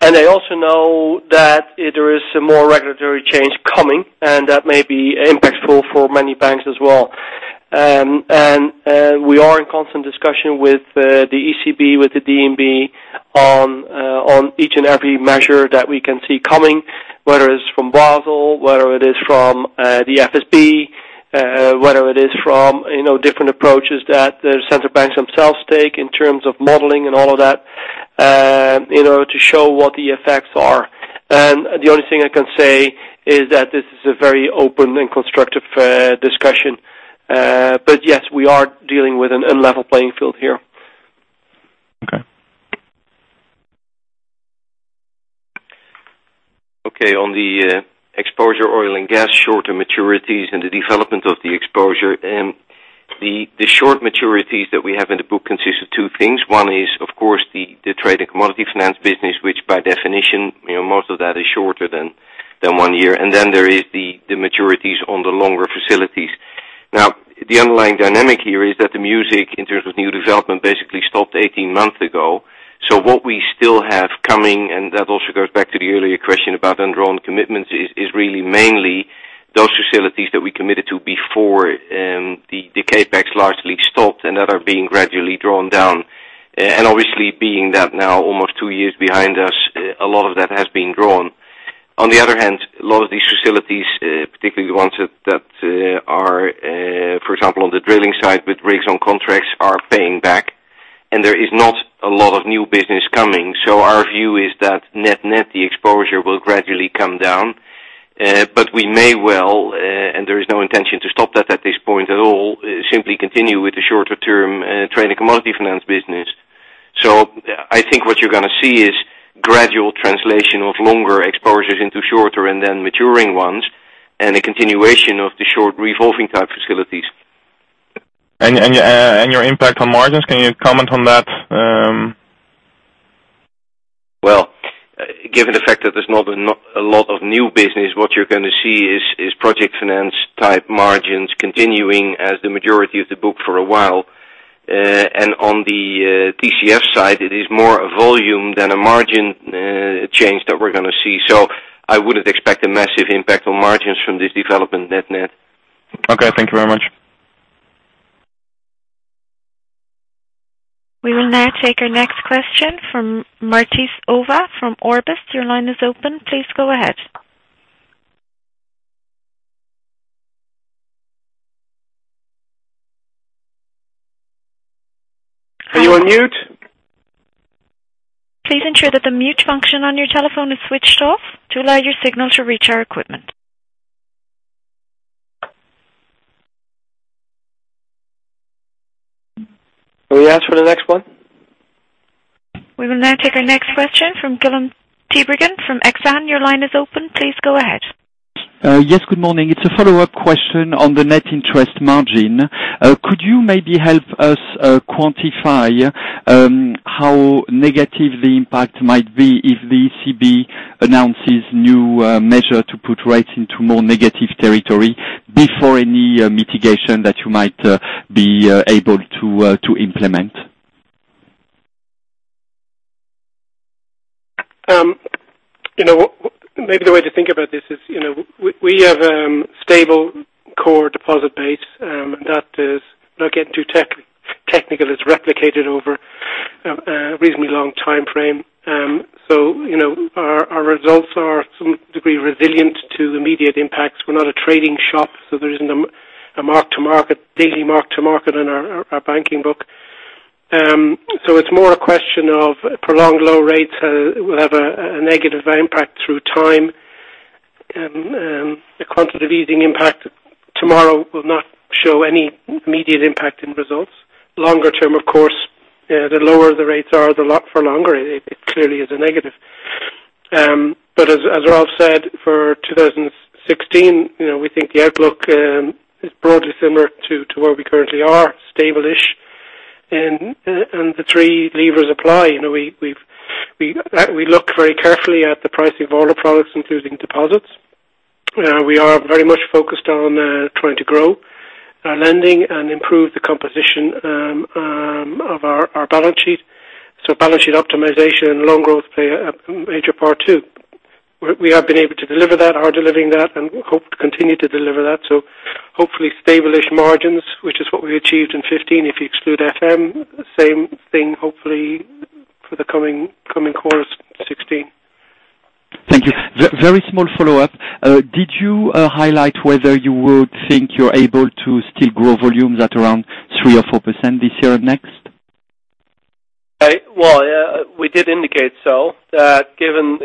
They also know that there is some more regulatory change coming, and that may be impactful for many banks as well. We are in constant discussion with the ECB, with the DNB on each and every measure that we can see coming, whether it's from Basel, whether it is from the FSB, whether it is from different approaches that the central banks themselves take in terms of modeling and all of that, in order to show what the effects are. The only thing I can say is that this is a very open and constructive discussion. Yes, we are dealing with an unlevel playing field here. Okay. Okay, on the exposure oil and gas shorter maturities and the development of the exposure. The short maturities that we have in the book consist of two things. One is, of course, the trade and commodity finance business, which by definition, most of that is shorter than one year. There is the maturities on the longer facilities. The underlying dynamic here is that the music in terms of new development basically stopped 18 months ago. What we still have coming, and that also goes back to the earlier question about undrawn commitments, is really mainly those facilities that we committed to before the CapEx largely stopped and that are being gradually drawn down. Obviously being that now almost two years behind us, a lot of that has been drawn. On the other hand, a lot of these facilities, particularly the ones that are, for example, on the drilling side with rigs on contracts, are paying back, and there is not a lot of new business coming. Our view is that net-net, the exposure will gradually come down. We may well, and there is no intention to stop that at this point at all, simply continue with the shorter term trade and commodity finance business. I think what you're going to see is gradual translation of longer exposures into shorter and then maturing ones, and a continuation of the short revolving type facilities. Your impact on margins, can you comment on that? Well, given the fact that there's not a lot of new business, what you're going to see is project finance type margins continuing as the majority of the book for a while. On the TCF side, it is more a volume than a margin change that we're going to see. I wouldn't expect a massive impact on margins from this development net-net. Okay, thank you very much. We will now take our next question from Matthijs van den Adel from Orbis. Your line is open. Please go ahead. Are you on mute? Please ensure that the mute function on your telephone is switched off to allow your signal to reach our equipment. Can we ask for the next one? We will now take our next question from Guillaume Tiberghien from Exane. Your line is open. Please go ahead. Yes, good morning. It's a follow-up question on the net interest margin. Could you maybe help us quantify how negative the impact might be if the ECB announces new measure to put rates into more negative territory before any mitigation that you might be able to implement? Maybe the way to think about this is we have a stable core deposit base that is not getting too technical. It's replicated over a reasonably long timeframe. Our results are to some degree resilient to immediate impacts. We're not a trading shop, so there isn't a daily mark to market in our banking book. It's more a question of prolonged low rates will have a negative impact through time. The quantitative easing impact tomorrow will not show any immediate impact in results. Longer term, of course, the lower the rates are for longer, it clearly is a negative. As Ralph said, for 2016, we think the outlook is broadly similar to where we currently are, stable-ish, and the three levers apply. We look very carefully at the pricing of all our products, including deposits. We are very much focused on trying to grow our lending and improve the composition of our balance sheet. Balance sheet optimization and loan growth play a major part, too. We have been able to deliver that, are delivering that, and hope to continue to deliver that. Hopefully stable-ish margins, which is what we achieved in 2015 if you exclude FM. Same thing, hopefully, for the coming quarters, 2016. Thank you. Very small follow-up. Did you highlight whether you would think you're able to still grow volumes at around 3% or 4% this year or next? Well, we did indicate so. That given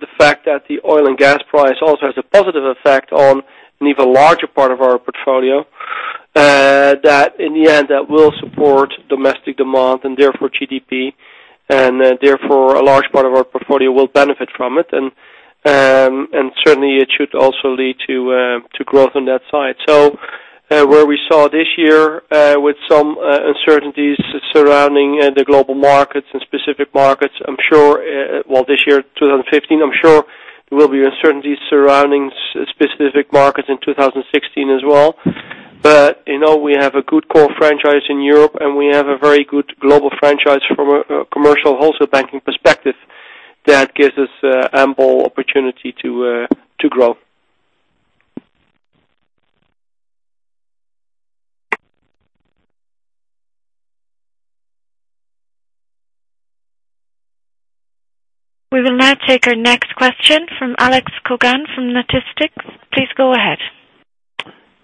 the fact that the oil and gas price also has a positive effect on an even larger part of our portfolio, that in the end, that will support domestic demand and therefore GDP, and therefore a large part of our portfolio will benefit from it. Certainly, it should also lead to growth on that side. Where we saw this year with some uncertainties surrounding the global markets and specific markets, well, this year, 2015, I'm sure there will be uncertainties surrounding specific markets in 2016 as well. We have a good core franchise in Europe, and we have a very good global franchise from a commercial wholesale banking perspective that gives us ample opportunity to grow. We will now take our next question from Alex Koagne from Natixis. Please go ahead.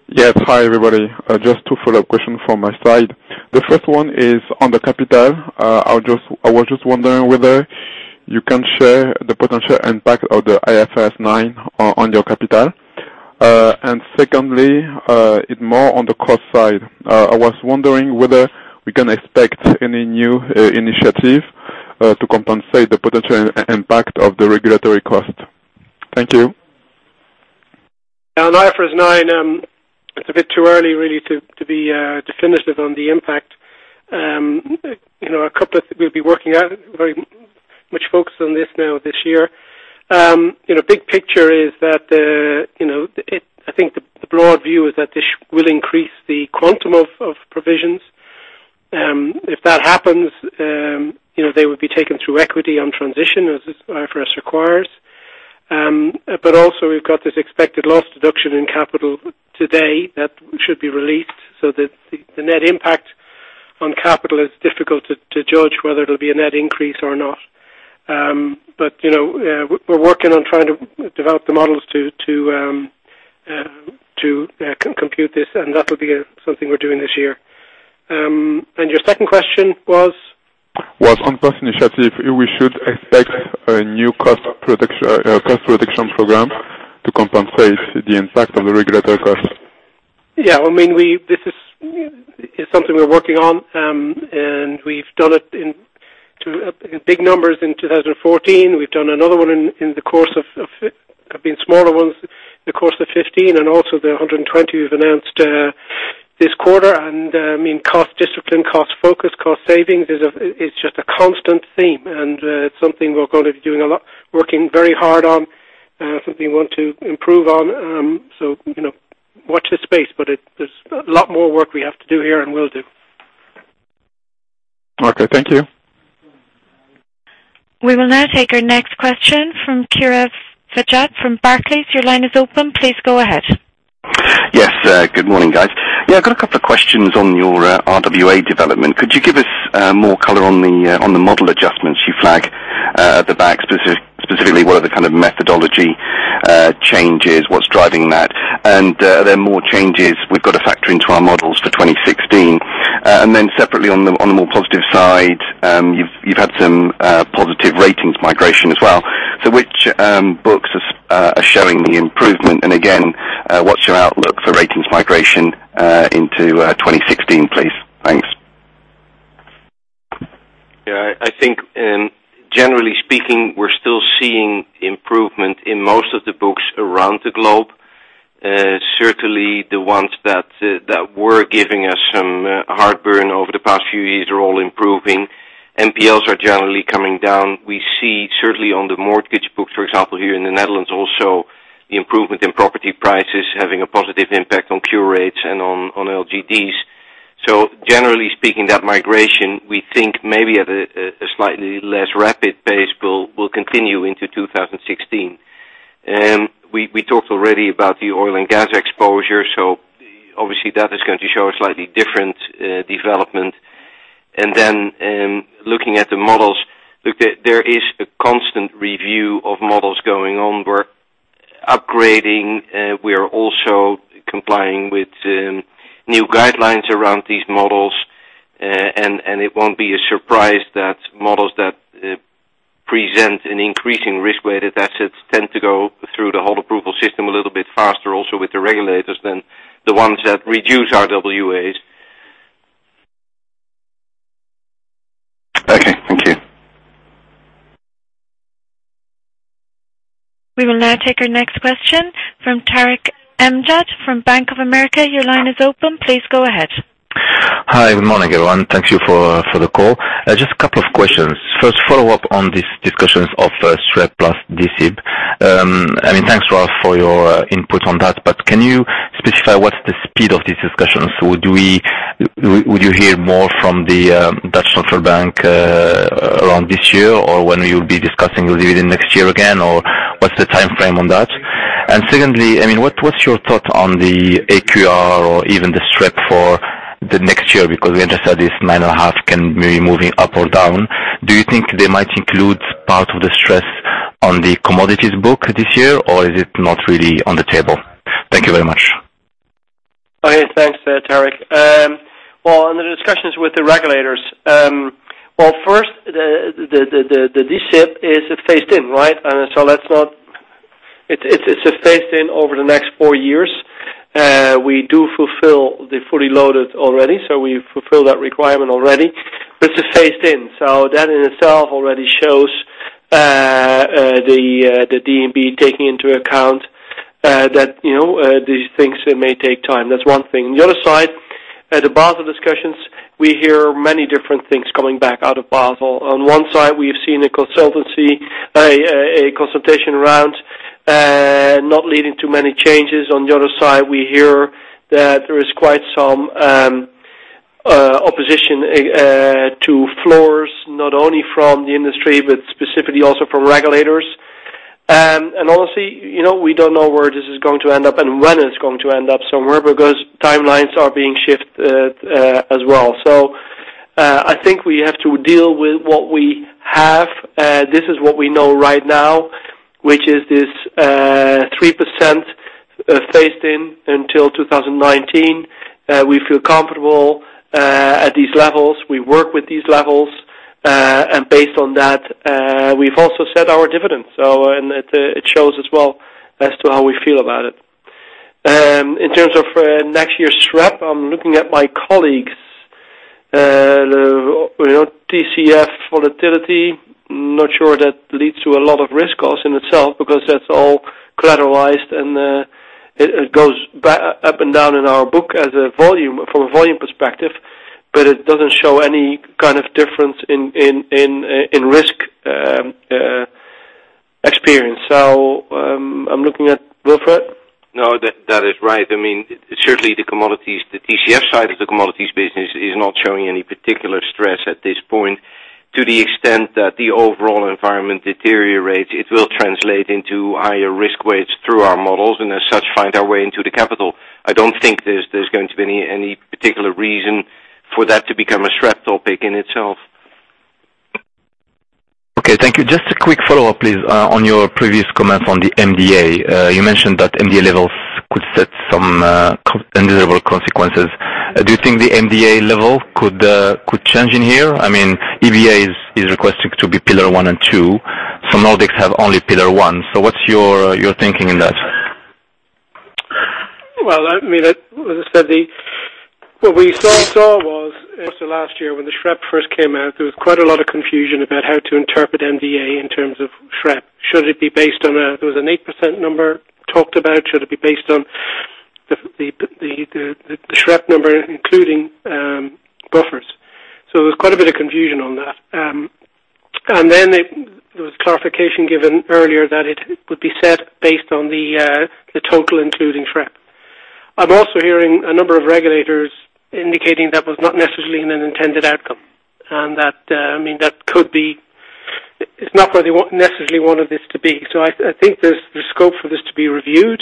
Yes. Hi, everybody. Just two follow-up questions from my side. The first one is on the capital. I was just wondering whether you can share the potential impact of the IFRS 9 on your capital. Secondly, it's more on the cost side. I was wondering whether we can expect any new initiative to compensate the potential impact of the regulatory cost. Thank you. On IFRS 9, it's a bit too early, really, to be definitive on the impact. We'll be working out very much focused on this now this year. Big picture is that, I think the broad view is that this will increase the quantum of provisions. If that happens, they would be taken through equity on transition as IFRS requires. Also we've got this expected loss deduction in capital today that should be released so that the net impact on capital is difficult to judge whether it'll be a net increase or not. We're working on trying to develop the models to compute this, and that will be something we're doing this year. Your second question was? It was on cost initiative, we should expect a new cost reduction program to compensate the impact of the regulatory cost. Yeah. This is something we're working on. We've done it in big numbers in 2014. We've done another one. There have been smaller ones in the course of 2015, and also the 120 million we've announced this quarter. Cost discipline, cost focus, cost savings, it's just a constant theme, and it's something we're going to be working very hard on, something we want to improve on. Watch this space, there's a lot more work we have to do here and will do. Okay. Thank you. We will now take our next question from Kiris Vijayarajah from Barclays. Your line is open. Please go ahead. Yes. Good morning, guys. Yeah, I've got a couple of questions on your RWA development. Could you give us more color on the model adjustments you flagged at the back, specifically, what are the kind of methodology changes? What's driving that? Are there more changes we've got to factor into our models for 2016? Then separately, on the more positive side, you've had some positive ratings migration as well. Which books are showing the improvement? Again, what's your outlook for ratings migration into 2016, please? Thanks. Yeah, I think generally speaking, we're still seeing improvement in most of the books around the globe. Certainly the ones that were giving us some heartburn over the past few years are all improving. NPLs are generally coming down. We see certainly on the mortgage book, for example, here in the Netherlands also, the improvement in property prices having a positive impact on cure rates and on LGDs. Generally speaking, that migration, we think maybe at a slightly less rapid pace, will continue into 2016. We talked already about the oil and gas exposure, obviously that is going to show a slightly different development. Then looking at the models, there is a constant review of models going on where Upgrading. We are also complying with new guidelines around these models. It won't be a surprise that models that present an increasing risk-weighted assets tend to go through the whole approval system a little bit faster, also with the regulators, than the ones that reduce RWAs. Okay, thank you. We will now take our next question from Tarik El Mejjad from Bank of America. Your line is open. Please go ahead. Hi. Good morning, everyone. Thank you for the call. Just a couple of questions. First, follow-up on these discussions of SREP plus D-SIB. Thanks, Ralph, for your input on that, but can you specify what's the speed of these discussions? Would you hear more from the Dutch Central Bank around this year or when you'll be discussing the dividend next year again, or what's the timeframe on that? Secondly, what's your thought on the AQR or even the SREP for the next year? Because we understand this nine and a half can be moving up or down. Do you think they might include part of the stress on the commodities book this year, or is it not really on the table? Thank you very much. Okay. Thanks there, Tarik. Well, on the discussions with the regulators. Well, first, the D-SIB is phased in. It's phased in over the next four years. We do fulfill the fully loaded already, so we fulfill that requirement already, but it's phased in. That in itself already shows the DNB taking into account that these things may take time. That's one thing. On the other side, at the Basel discussions, we hear many different things coming back out of Basel. On one side, we have seen a consultation round not leading to many changes. On the other side, we hear that there is quite some opposition to floors, not only from the industry, but specifically also from regulators. Honestly, we don't know where this is going to end up and when it's going to end up somewhere because timelines are being shifted as well. I think we have to deal with what we have. This is what we know right now, which is this 3% phased in until 2019. We feel comfortable at these levels. We work with these levels. Based on that, we've also set our dividends. It shows as well as to how we feel about it. In terms of next year's SREP, I'm looking at my colleagues. TCF volatility, not sure that leads to a lot of risk cost in itself because that's all collateralized, and it goes up and down in our book from a volume perspective, but it doesn't show any kind of difference in risk experience. I'm looking at Wilfred. No, that is right. Certainly the commodities, the TCF side of the commodities business is not showing any particular stress at this point. To the extent that the overall environment deteriorates, it will translate into higher risk weights through our models, and as such, find their way into the capital. I don't think there's going to be any particular reason for that to become a SREP topic in itself. Okay, thank you. Just a quick follow-up, please, on your previous comments on the MDA. You mentioned that MDA levels could set some undesirable consequences. Do you think the MDA level could change in here? EBA is requesting to be pillar one and two. Some Nordics have only pillar one. What's your thinking in that? Well, as I said, what we saw was also last year when the SREP first came out, there was quite a lot of confusion about how to interpret MDA in terms of SREP. There was an 8% number talked about. Should it be based on the SREP number, including buffers? There was quite a bit of confusion on that. There was clarification given earlier that it would be set based on the total including SREP. I'm also hearing a number of regulators indicating that was not necessarily an intended outcome, and that it's not where they necessarily wanted this to be. I think there's scope for this to be reviewed.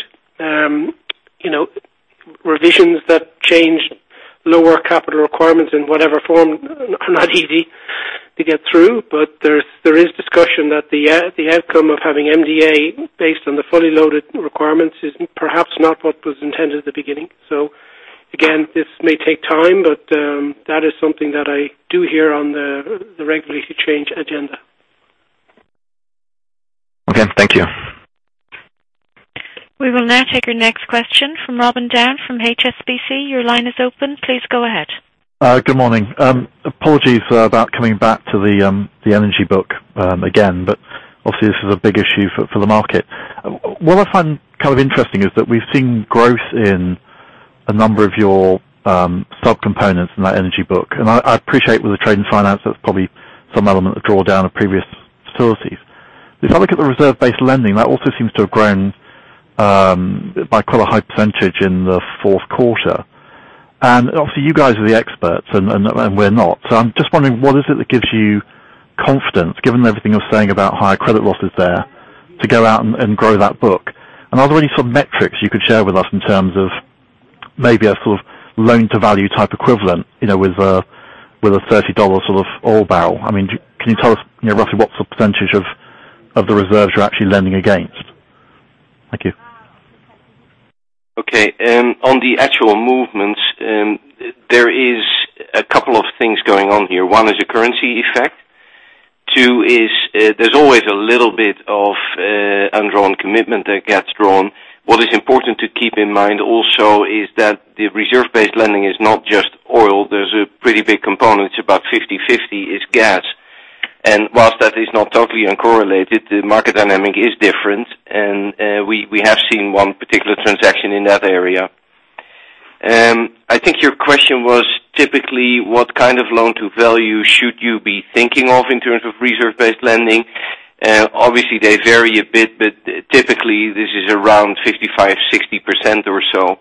Revisions that change lower capital requirements in whatever form are not easy to get through, but there is discussion that the outcome of having MDA based on the fully loaded requirements is perhaps not what was intended at the beginning. Again, this may take time, but that is something that I do hear on the regulatory change agenda. Okay. Thank you. We will now take our next question from Robin Down from HSBC. Your line is open. Please go ahead. Good morning. Apologies for about coming back to the energy book again, but obviously this is a big issue for the market. What I find interesting is that we've seen growth in a number of your subcomponents in that energy book, and I appreciate with the trade and finance, that's probably some element of drawdown of previous facilities. If I look at the reserve-based lending, that also seems to have grown by quite a high percentage in the fourth quarter. Obviously you guys are the experts and we're not. I'm just wondering what is it that gives you confidence, given everything you're saying about higher credit losses there, to go out and grow that book. Are there any sort of metrics you could share with us in terms of Maybe a sort of loan-to-value type equivalent, with a $30 sort of oil barrel. Can you tell us roughly what % of the reserves you're actually lending against? Thank you. Okay. On the actual movements, there is a couple of things going on here. One is a currency effect. Two is, there's always a little bit of undrawn commitment that gets drawn. What is important to keep in mind also is that the reserve-based lending is not just oil. There's a pretty big component, it's about 50/50, is gas. Whilst that is not totally uncorrelated, the market dynamic is different and we have seen one particular transaction in that area. I think your question was typically what kind of loan-to-value should you be thinking of in terms of reserve-based lending? Obviously, they vary a bit, but typically this is around 55%, 60% or so.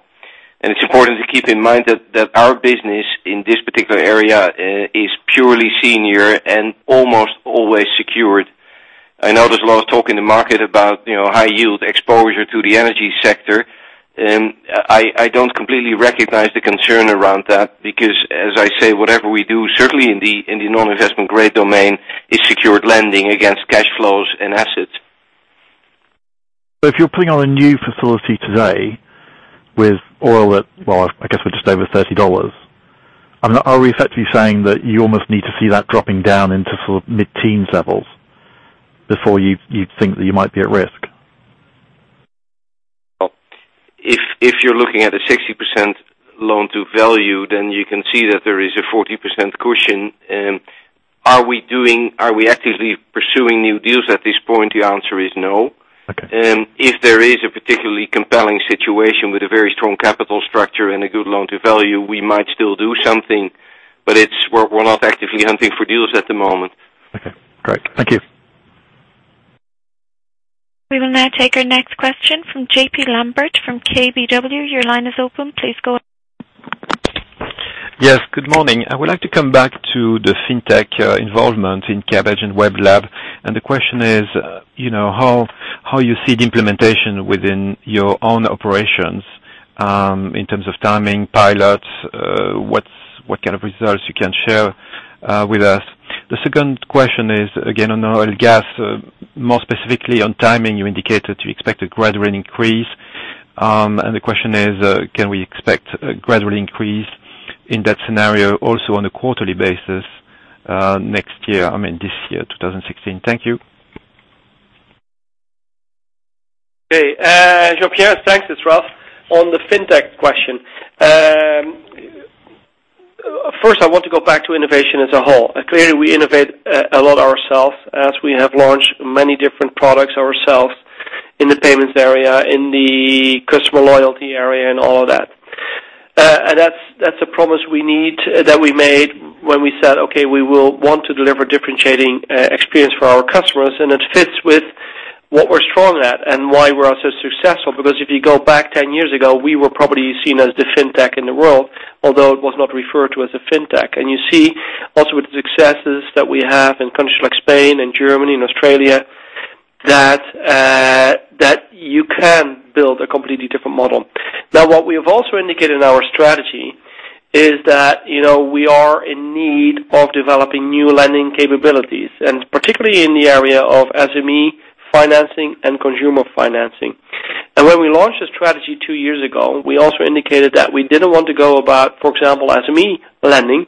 It's important to keep in mind that our business in this particular area is purely senior and almost always secured. I know there's a lot of talk in the market about high yield exposure to the energy sector. I don't completely recognize the concern around that because, as I say, whatever we do, certainly in the non-investment grade domain, is secured lending against cash flows and assets. If you're putting on a new facility today with oil at, well, I guess we're just over $30. Are we effectively saying that you almost need to see that dropping down into mid-teens levels before you'd think that you might be at risk? Well, if you're looking at a 60% loan-to-value, then you can see that there is a 40% cushion. Are we actively pursuing new deals at this point? The answer is no. Okay. If there is a particularly compelling situation with a very strong capital structure and a good loan-to-value, we might still do something, but we're not actively hunting for deals at the moment. Okay, great. Thank you. We will now take our next question from J.P. Lambert from KBW. Your line is open. Please go ahead. Yes, good morning. I would like to come back to the fintech involvement in Kabbage and WeLab. The question is, how you see the implementation within your own operations, in terms of timing, pilots, what kind of results you can share with us. The second question is, again, on the oil and gas. More specifically on timing, you indicated you expect a gradual increase. The question is, can we expect a gradual increase in that scenario also on a quarterly basis this year, 2016? Thank you. Okay. Jean-Pierre, thanks. It's Ralph. On the fintech question. First, I want to go back to innovation as a whole. Clearly, we innovate a lot ourselves as we have launched many different products ourselves in the payments area, in the customer loyalty area, and all of that. That's a promise that we made when we said, "Okay, we will want to deliver differentiating experience for our customers." It fits with what we're strong at and why we are so successful, because if you go back 10 years ago, we were probably seen as the fintech in the world, although it was not referred to as a fintech. You see also with the successes that we have in countries like Spain and Germany and Australia, that you can build a completely different model. What we have also indicated in our strategy is that we are in need of developing new lending capabilities. Particularly in the area of SME financing and consumer financing. When we launched the strategy two years ago, we also indicated that we didn't want to go about, for example, SME lending,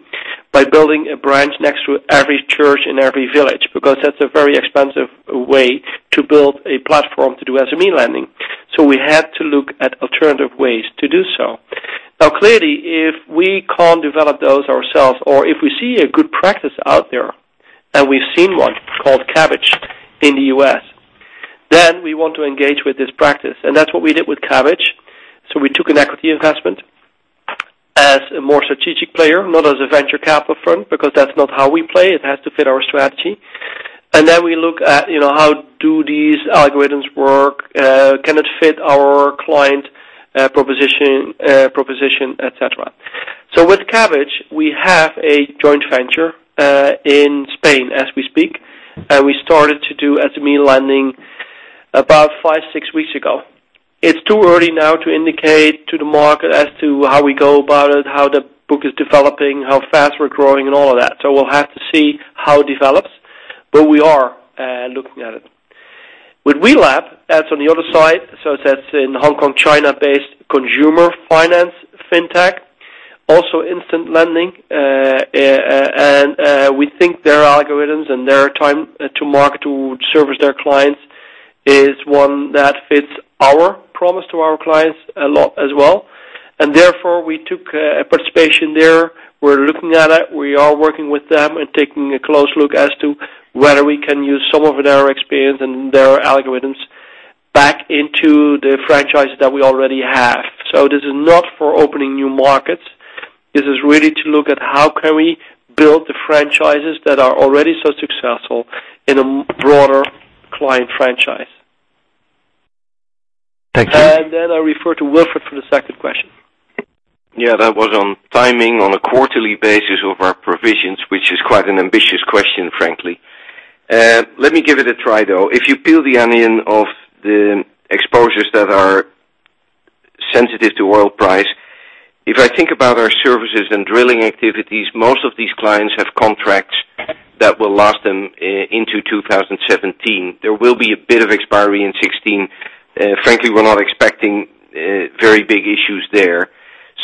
by building a branch next to every church in every village, because that's a very expensive way to build a platform to do SME lending. We had to look at alternative ways to do so. Clearly, if we can't develop those ourselves, or if we see a good practice out there, we've seen one called Kabbage in the U.S. We want to engage with this practice. That's what we did with Kabbage. We took an equity investment as a more strategic player, not as a venture capital front, because that's not how we play. It has to fit our strategy. We look at how do these algorithms work? Can it fit our client proposition, et cetera. With Kabbage, we have a joint venture, in Spain as we speak. We started to do SME lending about five, six weeks ago. It's too early now to indicate to the market as to how we go about it, how the book is developing, how fast we're growing and all of that. We'll have to see how it develops. We are looking at it. With WeLab, that's on the other side. That's in Hong Kong, China-based consumer finance fintech, also instant lending. We think their algorithms and their time to market to service their clients is one that fits our promise to our clients a lot as well. Therefore, we took a participation there. We are looking at it. We are working with them and taking a close look as to whether we can use some of their experience and their algorithms back into the franchises that we already have. This is not for opening new markets. This is really to look at how can we build the franchises that are already so successful in a broader client franchise. Thanks. I refer to Wilfred for the second question. That was on timing on a quarterly basis of our provisions, which is quite an ambitious question, frankly. Let me give it a try, though. If you peel the onion of the exposures that are sensitive to oil price, if I think about our services and drilling activities, most of these clients have contracts that will last them into 2017. There will be a bit of expiry in 2016. Frankly, we're not expecting very big issues there.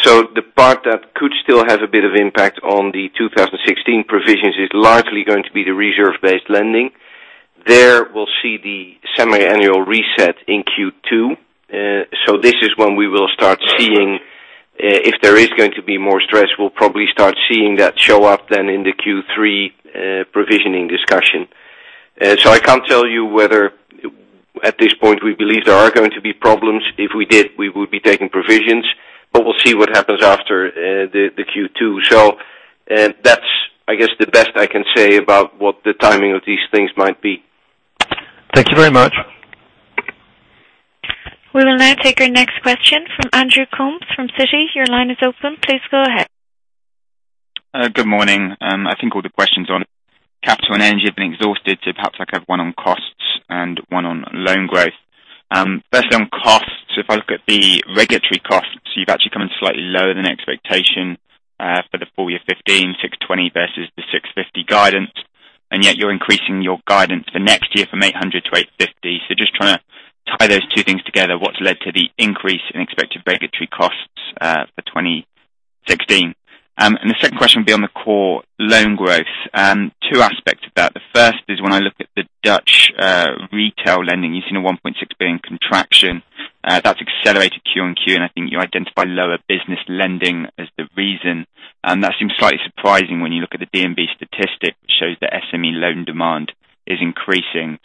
The part that could still have a bit of impact on the 2016 provisions is largely going to be the reserve-based lending. There, we'll see the semi-annual reset in Q2. This is when we will start seeing if there is going to be more stress. We'll probably start seeing that show up then in the Q3 provisioning discussion. I can't tell you whether at this point we believe there are going to be problems. If we did, we would be taking provisions, but we'll see what happens after the Q2. That's, I guess, the best I can say about what the timing of these things might be. Thank you very much. We will now take our next question from Andrew Coombs from Citi. Your line is open. Please go ahead. Good morning. I think all the questions on capital and energy have been exhausted, perhaps I could have one on costs and one on loan growth. First on costs, if I look at the regulatory costs, you've actually come in slightly lower than expectation for the full year 2015, 620 versus the 650 guidance, yet you're increasing your guidance for next year from 800 to 850. Just trying to tie those two things together, what's led to the increase in expected regulatory costs for 2016? The second question would be on the core loan growth. Two aspects of that. The first is when I look at the Dutch retail lending, you've seen a 1.6 billion contraction. That's accelerated Q on Q, and I think you identify lower business lending as the reason. That seems slightly surprising when you look at the DNB statistic, which shows that SME loan demand is increasing.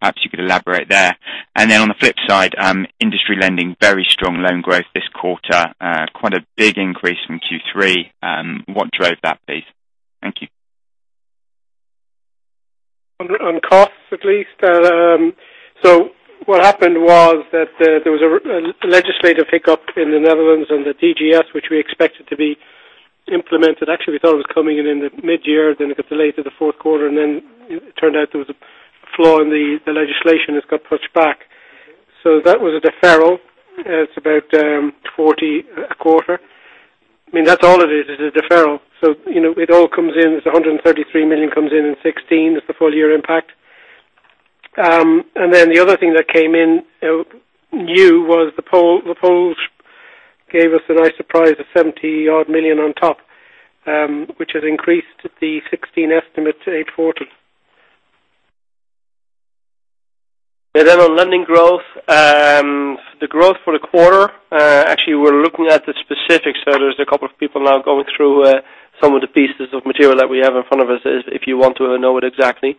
Perhaps you could elaborate there. On the flip side, industry lending, very strong loan growth this quarter. Quite a big increase from Q3. What drove that, please? Thank you. On costs at least. What happened was that there was a legislative hiccup in the Netherlands and the DGS, which we expected to be implemented. Actually, we thought it was coming in in the mid-year, then it got delayed to the fourth quarter, and then it turned out there was a flaw in the legislation that got pushed back. That was a deferral. It's about 40 a quarter. I mean, that's all it is a deferral. It all comes in. There's 133 million comes in in 2016. That's the full year impact. The other thing that came in new was the Poles gave us a nice surprise of 70-odd million on top, which has increased the 2016 estimate to 840 million. On lending growth. The growth for the quarter, actually, we're looking at the specifics. There's a couple of people now going through some of the pieces of material that we have in front of us, if you want to know it exactly.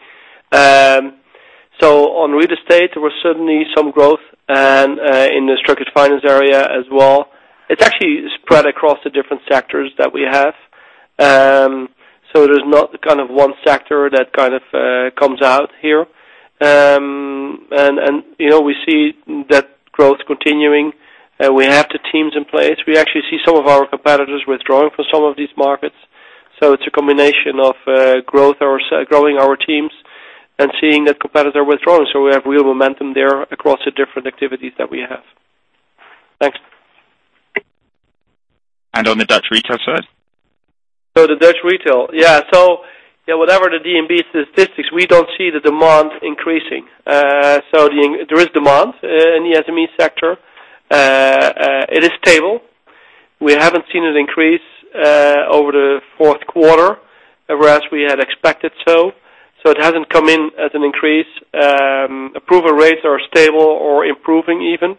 On real estate, there was certainly some growth, and in the structured finance area as well. It's actually spread across the different sectors that we have. There's not one sector that comes out here. We see that growth continuing. We have the teams in place. We actually see some of our competitors withdrawing from some of these markets. It's a combination of growing our teams and seeing that competitor withdrawal. We have real momentum there across the different activities that we have. On the Dutch retail side? The Dutch retail. Whatever the DNB statistics, we don't see the demand increasing. There is demand in the SME sector. It is stable. We haven't seen an increase over the fourth quarter, whereas we had expected. It hasn't come in as an increase. Approval rates are stable or improving even.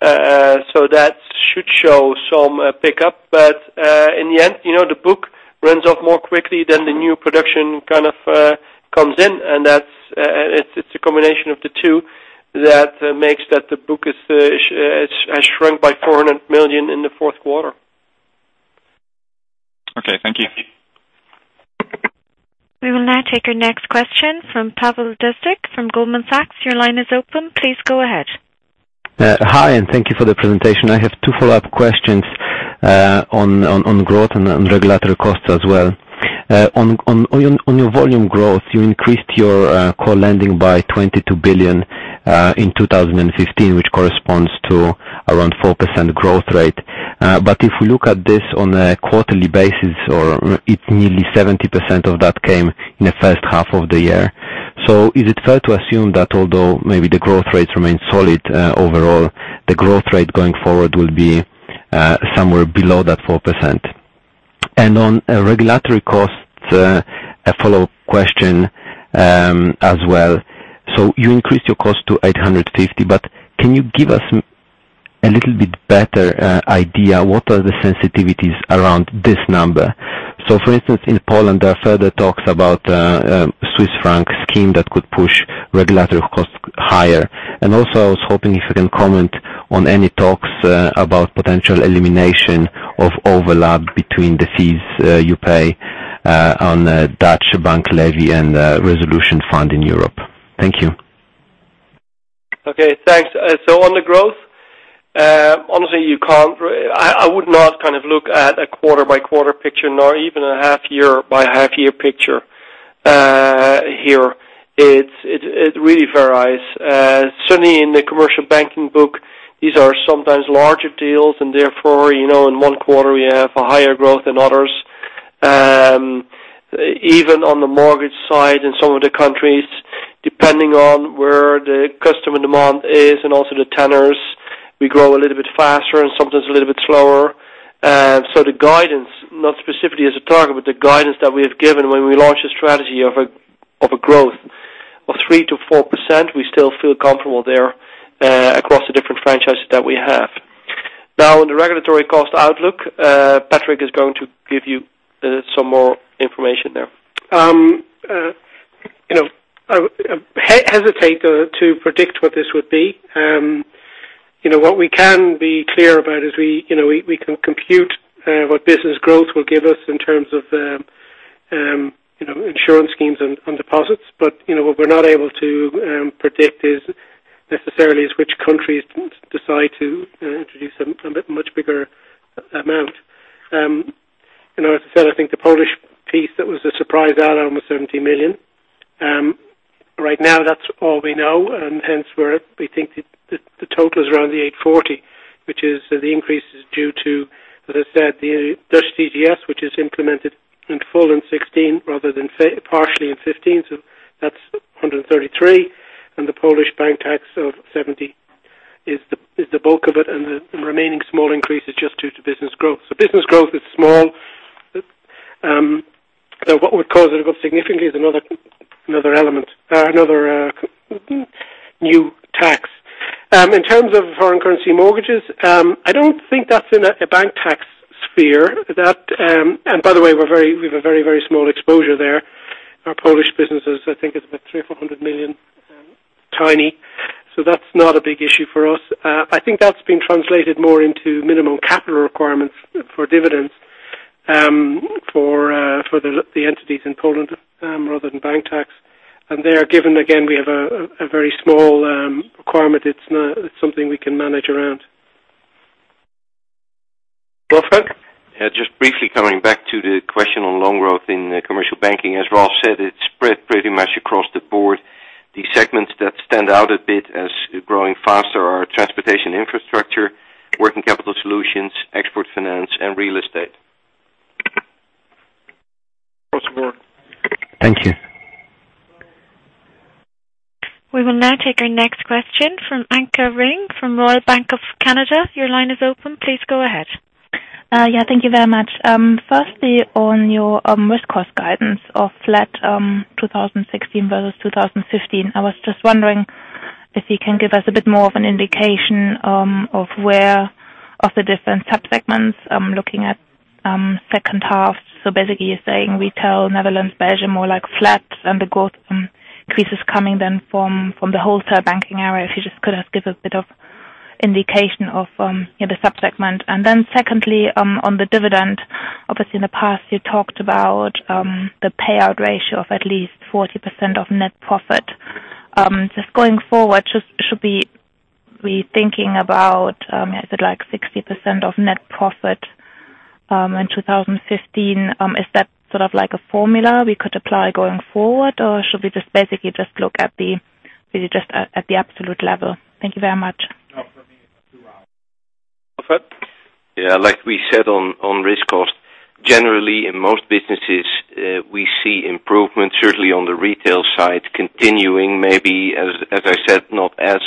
That should show some pickup. In the end, the book runs off more quickly than the new production comes in, and it's a combination of the two that makes that the book has shrunk by 400 million in the fourth quarter. Okay. Thank you. We will now take our next question from Pawel Dziedzic from Goldman Sachs. Your line is open. Please go ahead. Hi, thank you for the presentation. I have two follow-up questions on growth and on regulatory costs as well. On your volume growth, you increased your core lending by 22 billion in 2015, which corresponds to around 4% growth rate. If we look at this on a quarterly basis, nearly 70% of that came in the first half of the year. Is it fair to assume that although maybe the growth rates remain solid overall, the growth rate going forward will be somewhere below that 4%? On regulatory costs, a follow-up question as well. You increased your cost to 850, but can you give us a little bit better idea what are the sensitivities around this number? For instance, in Poland, there are further talks about a Swiss franc scheme that could push regulatory costs higher. Also, I was hoping if you can comment on any talks about potential elimination of overlap between the fees you pay on Dutch bank levy and resolution fund in Europe. Thank you. Okay, thanks. On the growth, honestly, I would not look at a quarter-by-quarter picture, nor even a half-year by half-year picture here. It really varies. Certainly in the commercial banking book, these are sometimes larger deals, and therefore, in one quarter we have a higher growth than others. Even on the mortgage side, in some of the countries, depending on where the customer demand is and also the tenors, we grow a little bit faster and sometimes a little bit slower. The guidance, not specifically as a target, but the guidance that we have given when we launch a strategy of a growth of 3% to 4%, we still feel comfortable there across the different franchises that we have. On the regulatory cost outlook, Patrick is going to give you some more information there. I hesitate to predict what this would be. What we can be clear about is we can compute what business growth will give us in terms of insurance schemes and deposits. What we're not able to predict necessarily is which countries decide to introduce a much bigger amount. As I said, I think the Polish piece, that was a surprise add-on was 70 million. Right now, that's all we know, and hence we think the total is around 840, which is the increase is due to, as I said, the Dutch DGS, which is implemented in full in 2016 rather than partially in 2015. That's 133, and the Polish bank tax of 70 is the bulk of it, and the remaining small increase is just due to business growth. Business growth is small. What would cause it to go significantly is another new tax. In terms of foreign currency mortgages, I don't think that's in a bank tax sphere. By the way, we have a very, very small exposure there. Our Polish businesses, I think it's about 300 million or 400 million. Tiny. That's not a big issue for us. I think that's been translated more into minimum capital requirements for dividends for the entities in Poland rather than bank tax. There, given, again, we have a very small requirement, it's something we can manage around. Wilfred? Just briefly coming back to the question on loan growth in commercial banking. As Ralph said, it's spread pretty much across the board. The segments that stand out a bit as growing faster are transportation infrastructure, working capital solutions, export finance, and real estate. Thanks, Wolfgang. Thank you. We will now take our next question from Anke Reingen from Royal Bank of Canada. Your line is open. Please go ahead. Thank you very much. Firstly, on your risk cost guidance of flat 2016 versus 2015. I was just wondering if you can give us a bit more of an indication of where, of the different subsegments, looking at second half. You're saying Retail Netherlands, Belgium, more like flat and the growth increases coming then from the wholesale banking area. If you just could give a bit of indication of the subsegment. Secondly, on the dividend, obviously in the past you talked about the payout ratio of at least 40% of net profit. Going forward, should we be thinking about, is it like 60% of net profit in 2015? Is that sort of like a formula we could apply going forward, or should we just basically just look at the absolute level? Thank you very much. Wolfgang. Like we said on risk cost, generally in most businesses, we see improvement, certainly on the retail side, continuing maybe, as I said, not as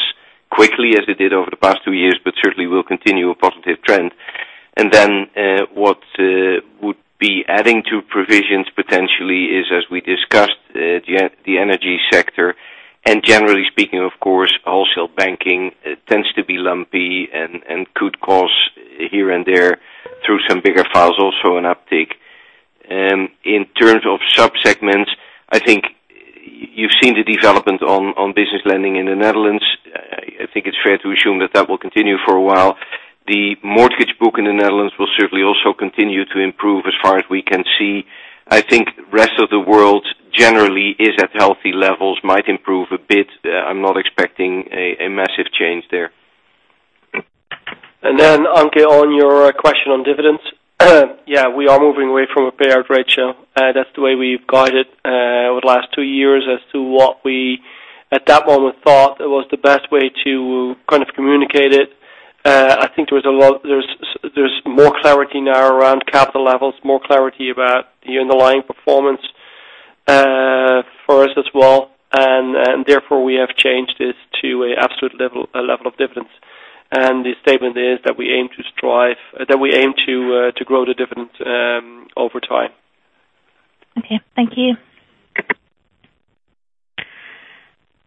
quickly as it did over the past two years, but certainly will continue a positive trend. What would be adding to provisions potentially is, as we discussed, the energy sector. Generally speaking, of course, wholesale banking tends to be lumpy and could cause here and there through some bigger files also an uptick. In terms of subsegments, I think you've seen the development on business lending in the Netherlands. I think it's fair to assume that that will continue for a while. The mortgage book in the Netherlands will certainly also continue to improve as far as we can see. I think rest of the world generally is at healthy levels, might improve a bit. I'm not expecting a massive change there. Anke, on your question on dividends. We are moving away from a payout ratio. That's the way we've guided over the last two years as to what we, at that moment, thought was the best way to communicate it. I think there's more clarity now around capital levels, more clarity about the underlying performance for us as well, and therefore we have changed it to an absolute level of dividends. The statement is that we aim to grow the dividend over time. Okay. Thank you.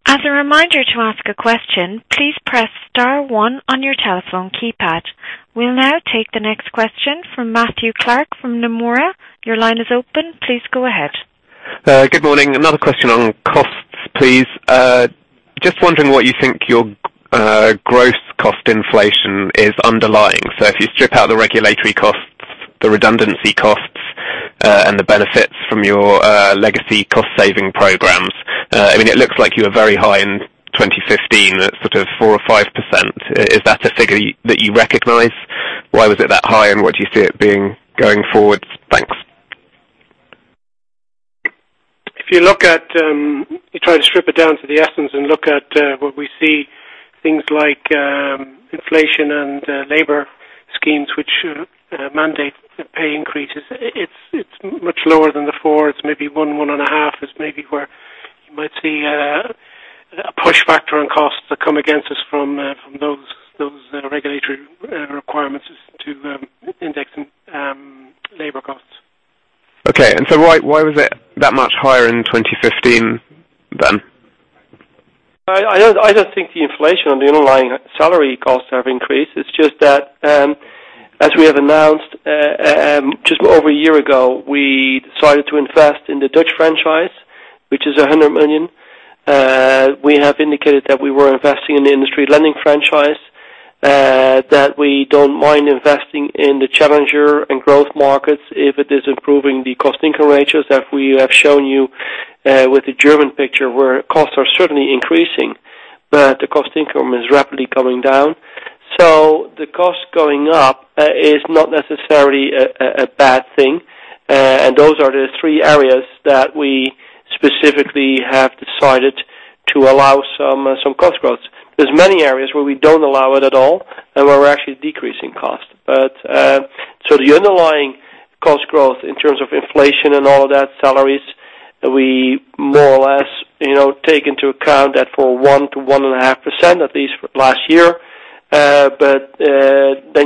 As a reminder to ask a question, please press star one on your telephone keypad. We will now take the next question from Matthew Clark from Nomura. Your line is open. Please go ahead. Good morning. Another question on costs, please. Just wondering what you think your gross cost inflation is underlying. If you strip out the regulatory costs, the redundancy costs, and the benefits from your legacy cost-saving programs. It looks like you were very high in 2015, at 4% or 5%. Is that a figure that you recognize? Why was it that high, and what do you see it being going forward? Thanks. If you try to strip it down to the essence and look at what we see, things like inflation and labor schemes which mandate pay increases, it is much lower than the 4. It is maybe one and a half, is maybe where you might see a push factor on costs that come against us from those regulatory requirements to index labor costs. Okay. Why was it that much higher in 2015 then? I don't think the inflation on the underlying salary costs have increased. It's just that, as we have announced just over a year ago, we decided to invest in the Dutch franchise, which is 100 million. We have indicated that we were investing in the industry lending franchise, that we don't mind investing in the challenger and growth markets if it is improving the cost income ratios. As we have shown you with the German picture, where costs are certainly increasing, but the cost income is rapidly coming down. The cost going up is not necessarily a bad thing. Those are the three areas that we specifically have decided to allow some cost growth. There's many areas where we don't allow it at all and where we're actually decreasing cost. The underlying cost growth in terms of inflation and all of that, salaries, we more or less take into account that for 1% to 1.5%, at least last year.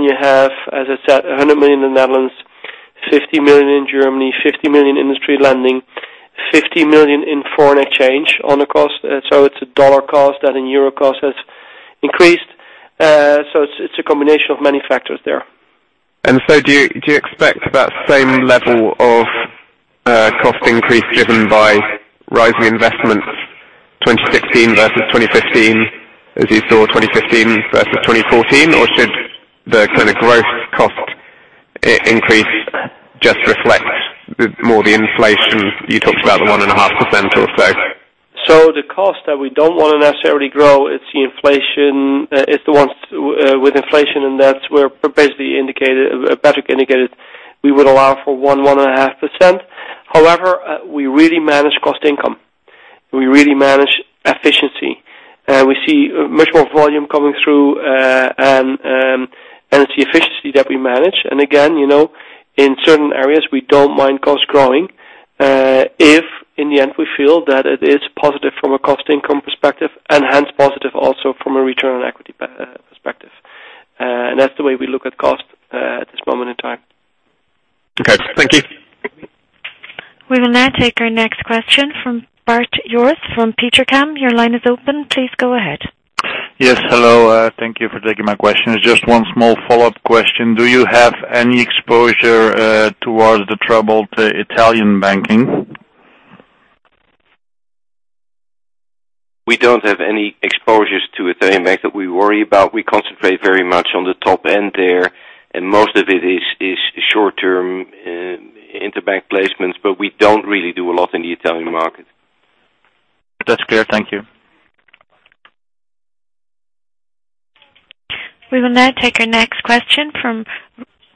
You have, as I said, 100 million in the Netherlands, 50 million in Germany, 50 million in industry lending, 50 million in foreign exchange on the cost. It's a USD cost and a EUR cost has increased. It's a combination of many factors there. Do you expect that same level of cost increase driven by rising investments 2016 versus 2015, as you saw 2015 versus 2014? Or should the kind of growth cost increase just reflect more the inflation you talked about, the 1.5% or so? The cost that we don't want to necessarily grow is the ones with inflation, and that's where Patrick indicated we would allow for 1%, 1.5%. However, we really manage cost income. We really manage efficiency. We see much more volume coming through, and it's the efficiency that we manage. Again, in certain areas, we don't mind cost growing, if in the end, we feel that it is positive from a cost income perspective and hence positive also from a return on equity perspective. That's the way we look at cost at this moment in time. Okay. Thank you. We will now take our next question from Bart Jooris from Petercam. Your line is open. Please go ahead. Yes, hello. Thank you for taking my question. It's just one small follow-up question. Do you have any exposure towards the troubled Italian banking? We don't have any exposures to Italian banks that we worry about. We concentrate very much on the top end there, and most of it is short-term interbank placements, but we don't really do a lot in the Italian market. That's clear. Thank you. We will now take our next question from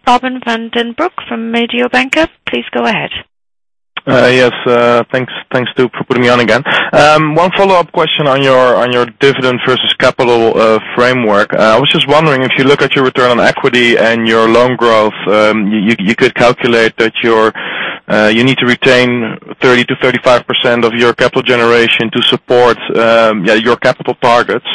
Robin van den Broek from Mediobanca. Please go ahead. Yes, thanks too for putting me on again. One follow-up question on your dividend versus capital framework. I was just wondering if you look at your return on equity and your loan growth, you could calculate that you need to retain 30%-35% of your capital generation to support your capital targets.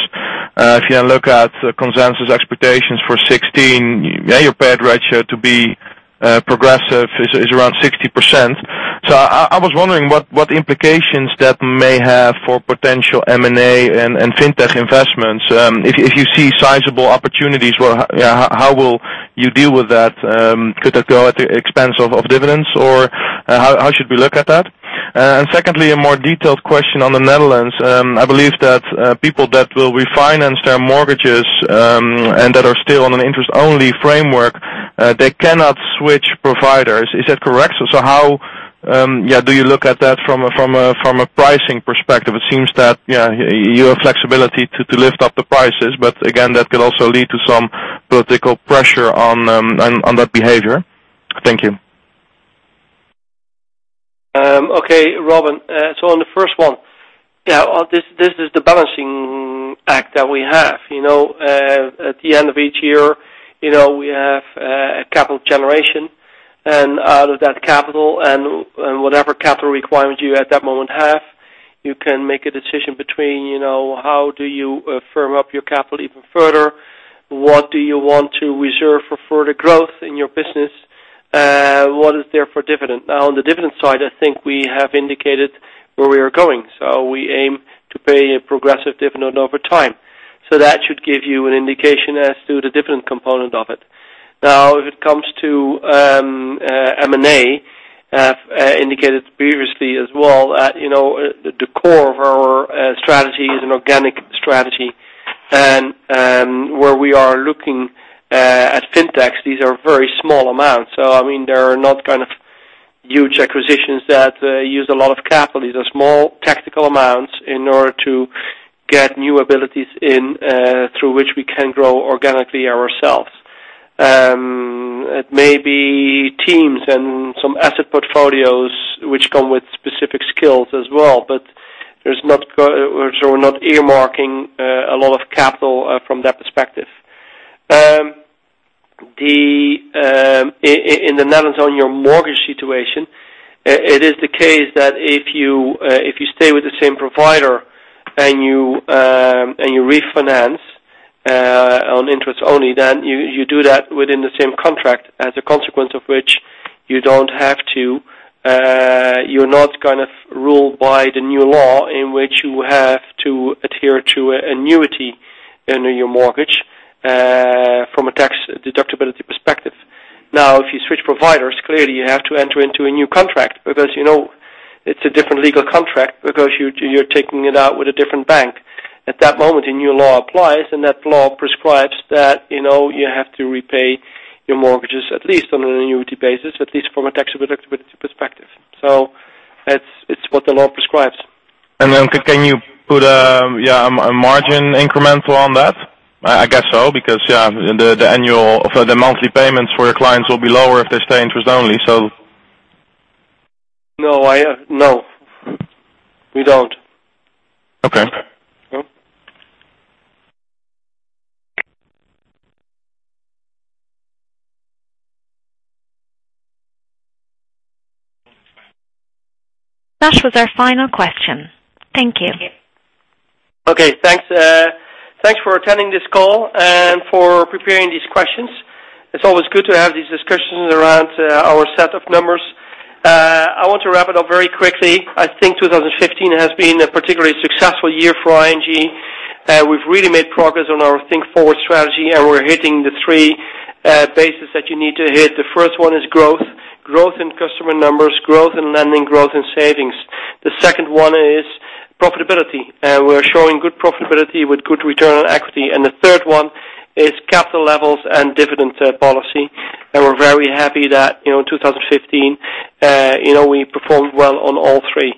If you look at consensus expectations for 2016, your payout ratio to be progressive is around 60%. I was wondering what implications that may have for potential M&A and fintech investments. If you see sizable opportunities, how will you deal with that? Could that go at the expense of dividends, or how should we look at that? Secondly, a more detailed question on the Netherlands. I believe that people that will refinance their mortgages and that are still on an interest-only framework, they cannot switch providers. Is that correct? How do you look at that from a pricing perspective? It seems that you have flexibility to lift up the prices, again, that could also lead to some political pressure on that behavior. Thank you. Okay, Robin. On the first one, this is the balancing act that we have. At the end of each year, we have a capital generation. Out of that capital and whatever capital requirement you at that moment have, you can make a decision between how do you firm up your capital even further? What do you want to reserve for further growth in your business? What is there for dividend? On the dividend side, I think we have indicated where we are going. We aim to pay a progressive dividend over time. That should give you an indication as to the dividend component of it. If it comes to M&A, I indicated previously as well, the core of our strategy is an organic strategy. Where we are looking at fintechs, these are very small amounts. There are not huge acquisitions that use a lot of capital. These are small tactical amounts in order to get new abilities in through which we can grow organically ourselves. It may be teams and some asset portfolios which come with specific skills as well, we're not earmarking a lot of capital from that perspective. In the Netherlands, on your mortgage situation, it is the case that if you stay with the same provider and you refinance on interest only, then you do that within the same contract, as a consequence of which you're not ruled by the new law in which you have to adhere to an annuity under your mortgage from a tax deductibility perspective. If you switch providers, clearly you have to enter into a new contract because it's a different legal contract because you're taking it out with a different bank. At that moment, a new law applies, that law prescribes that you have to repay your mortgages at least on an annuity basis, at least from a tax deductibility perspective. It's what the law prescribes. Can you put a margin incremental on that? I guess so, because the monthly payments for your clients will be lower if they stay interest only. No, we don't. Okay. No. That was our final question. Thank you. Okay, thanks for attending this call and for preparing these questions. It's always good to have these discussions around our set of numbers. I want to wrap it up very quickly. I think 2015 has been a particularly successful year for ING. We've really made progress on our Think Forward strategy, and we're hitting the three bases that you need to hit. The first one is growth in customer numbers, growth in lending, growth in savings. The second one is profitability. We're showing good profitability with good return on equity. The third one is capital levels and dividend policy. We're very happy that in 2015 we performed well on all three.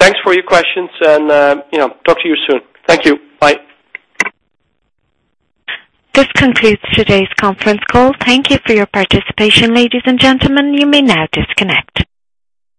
Thanks for your questions and talk to you soon. Thank you. Bye. This concludes today's conference call. Thank you for your participation, ladies and gentlemen. You may now disconnect.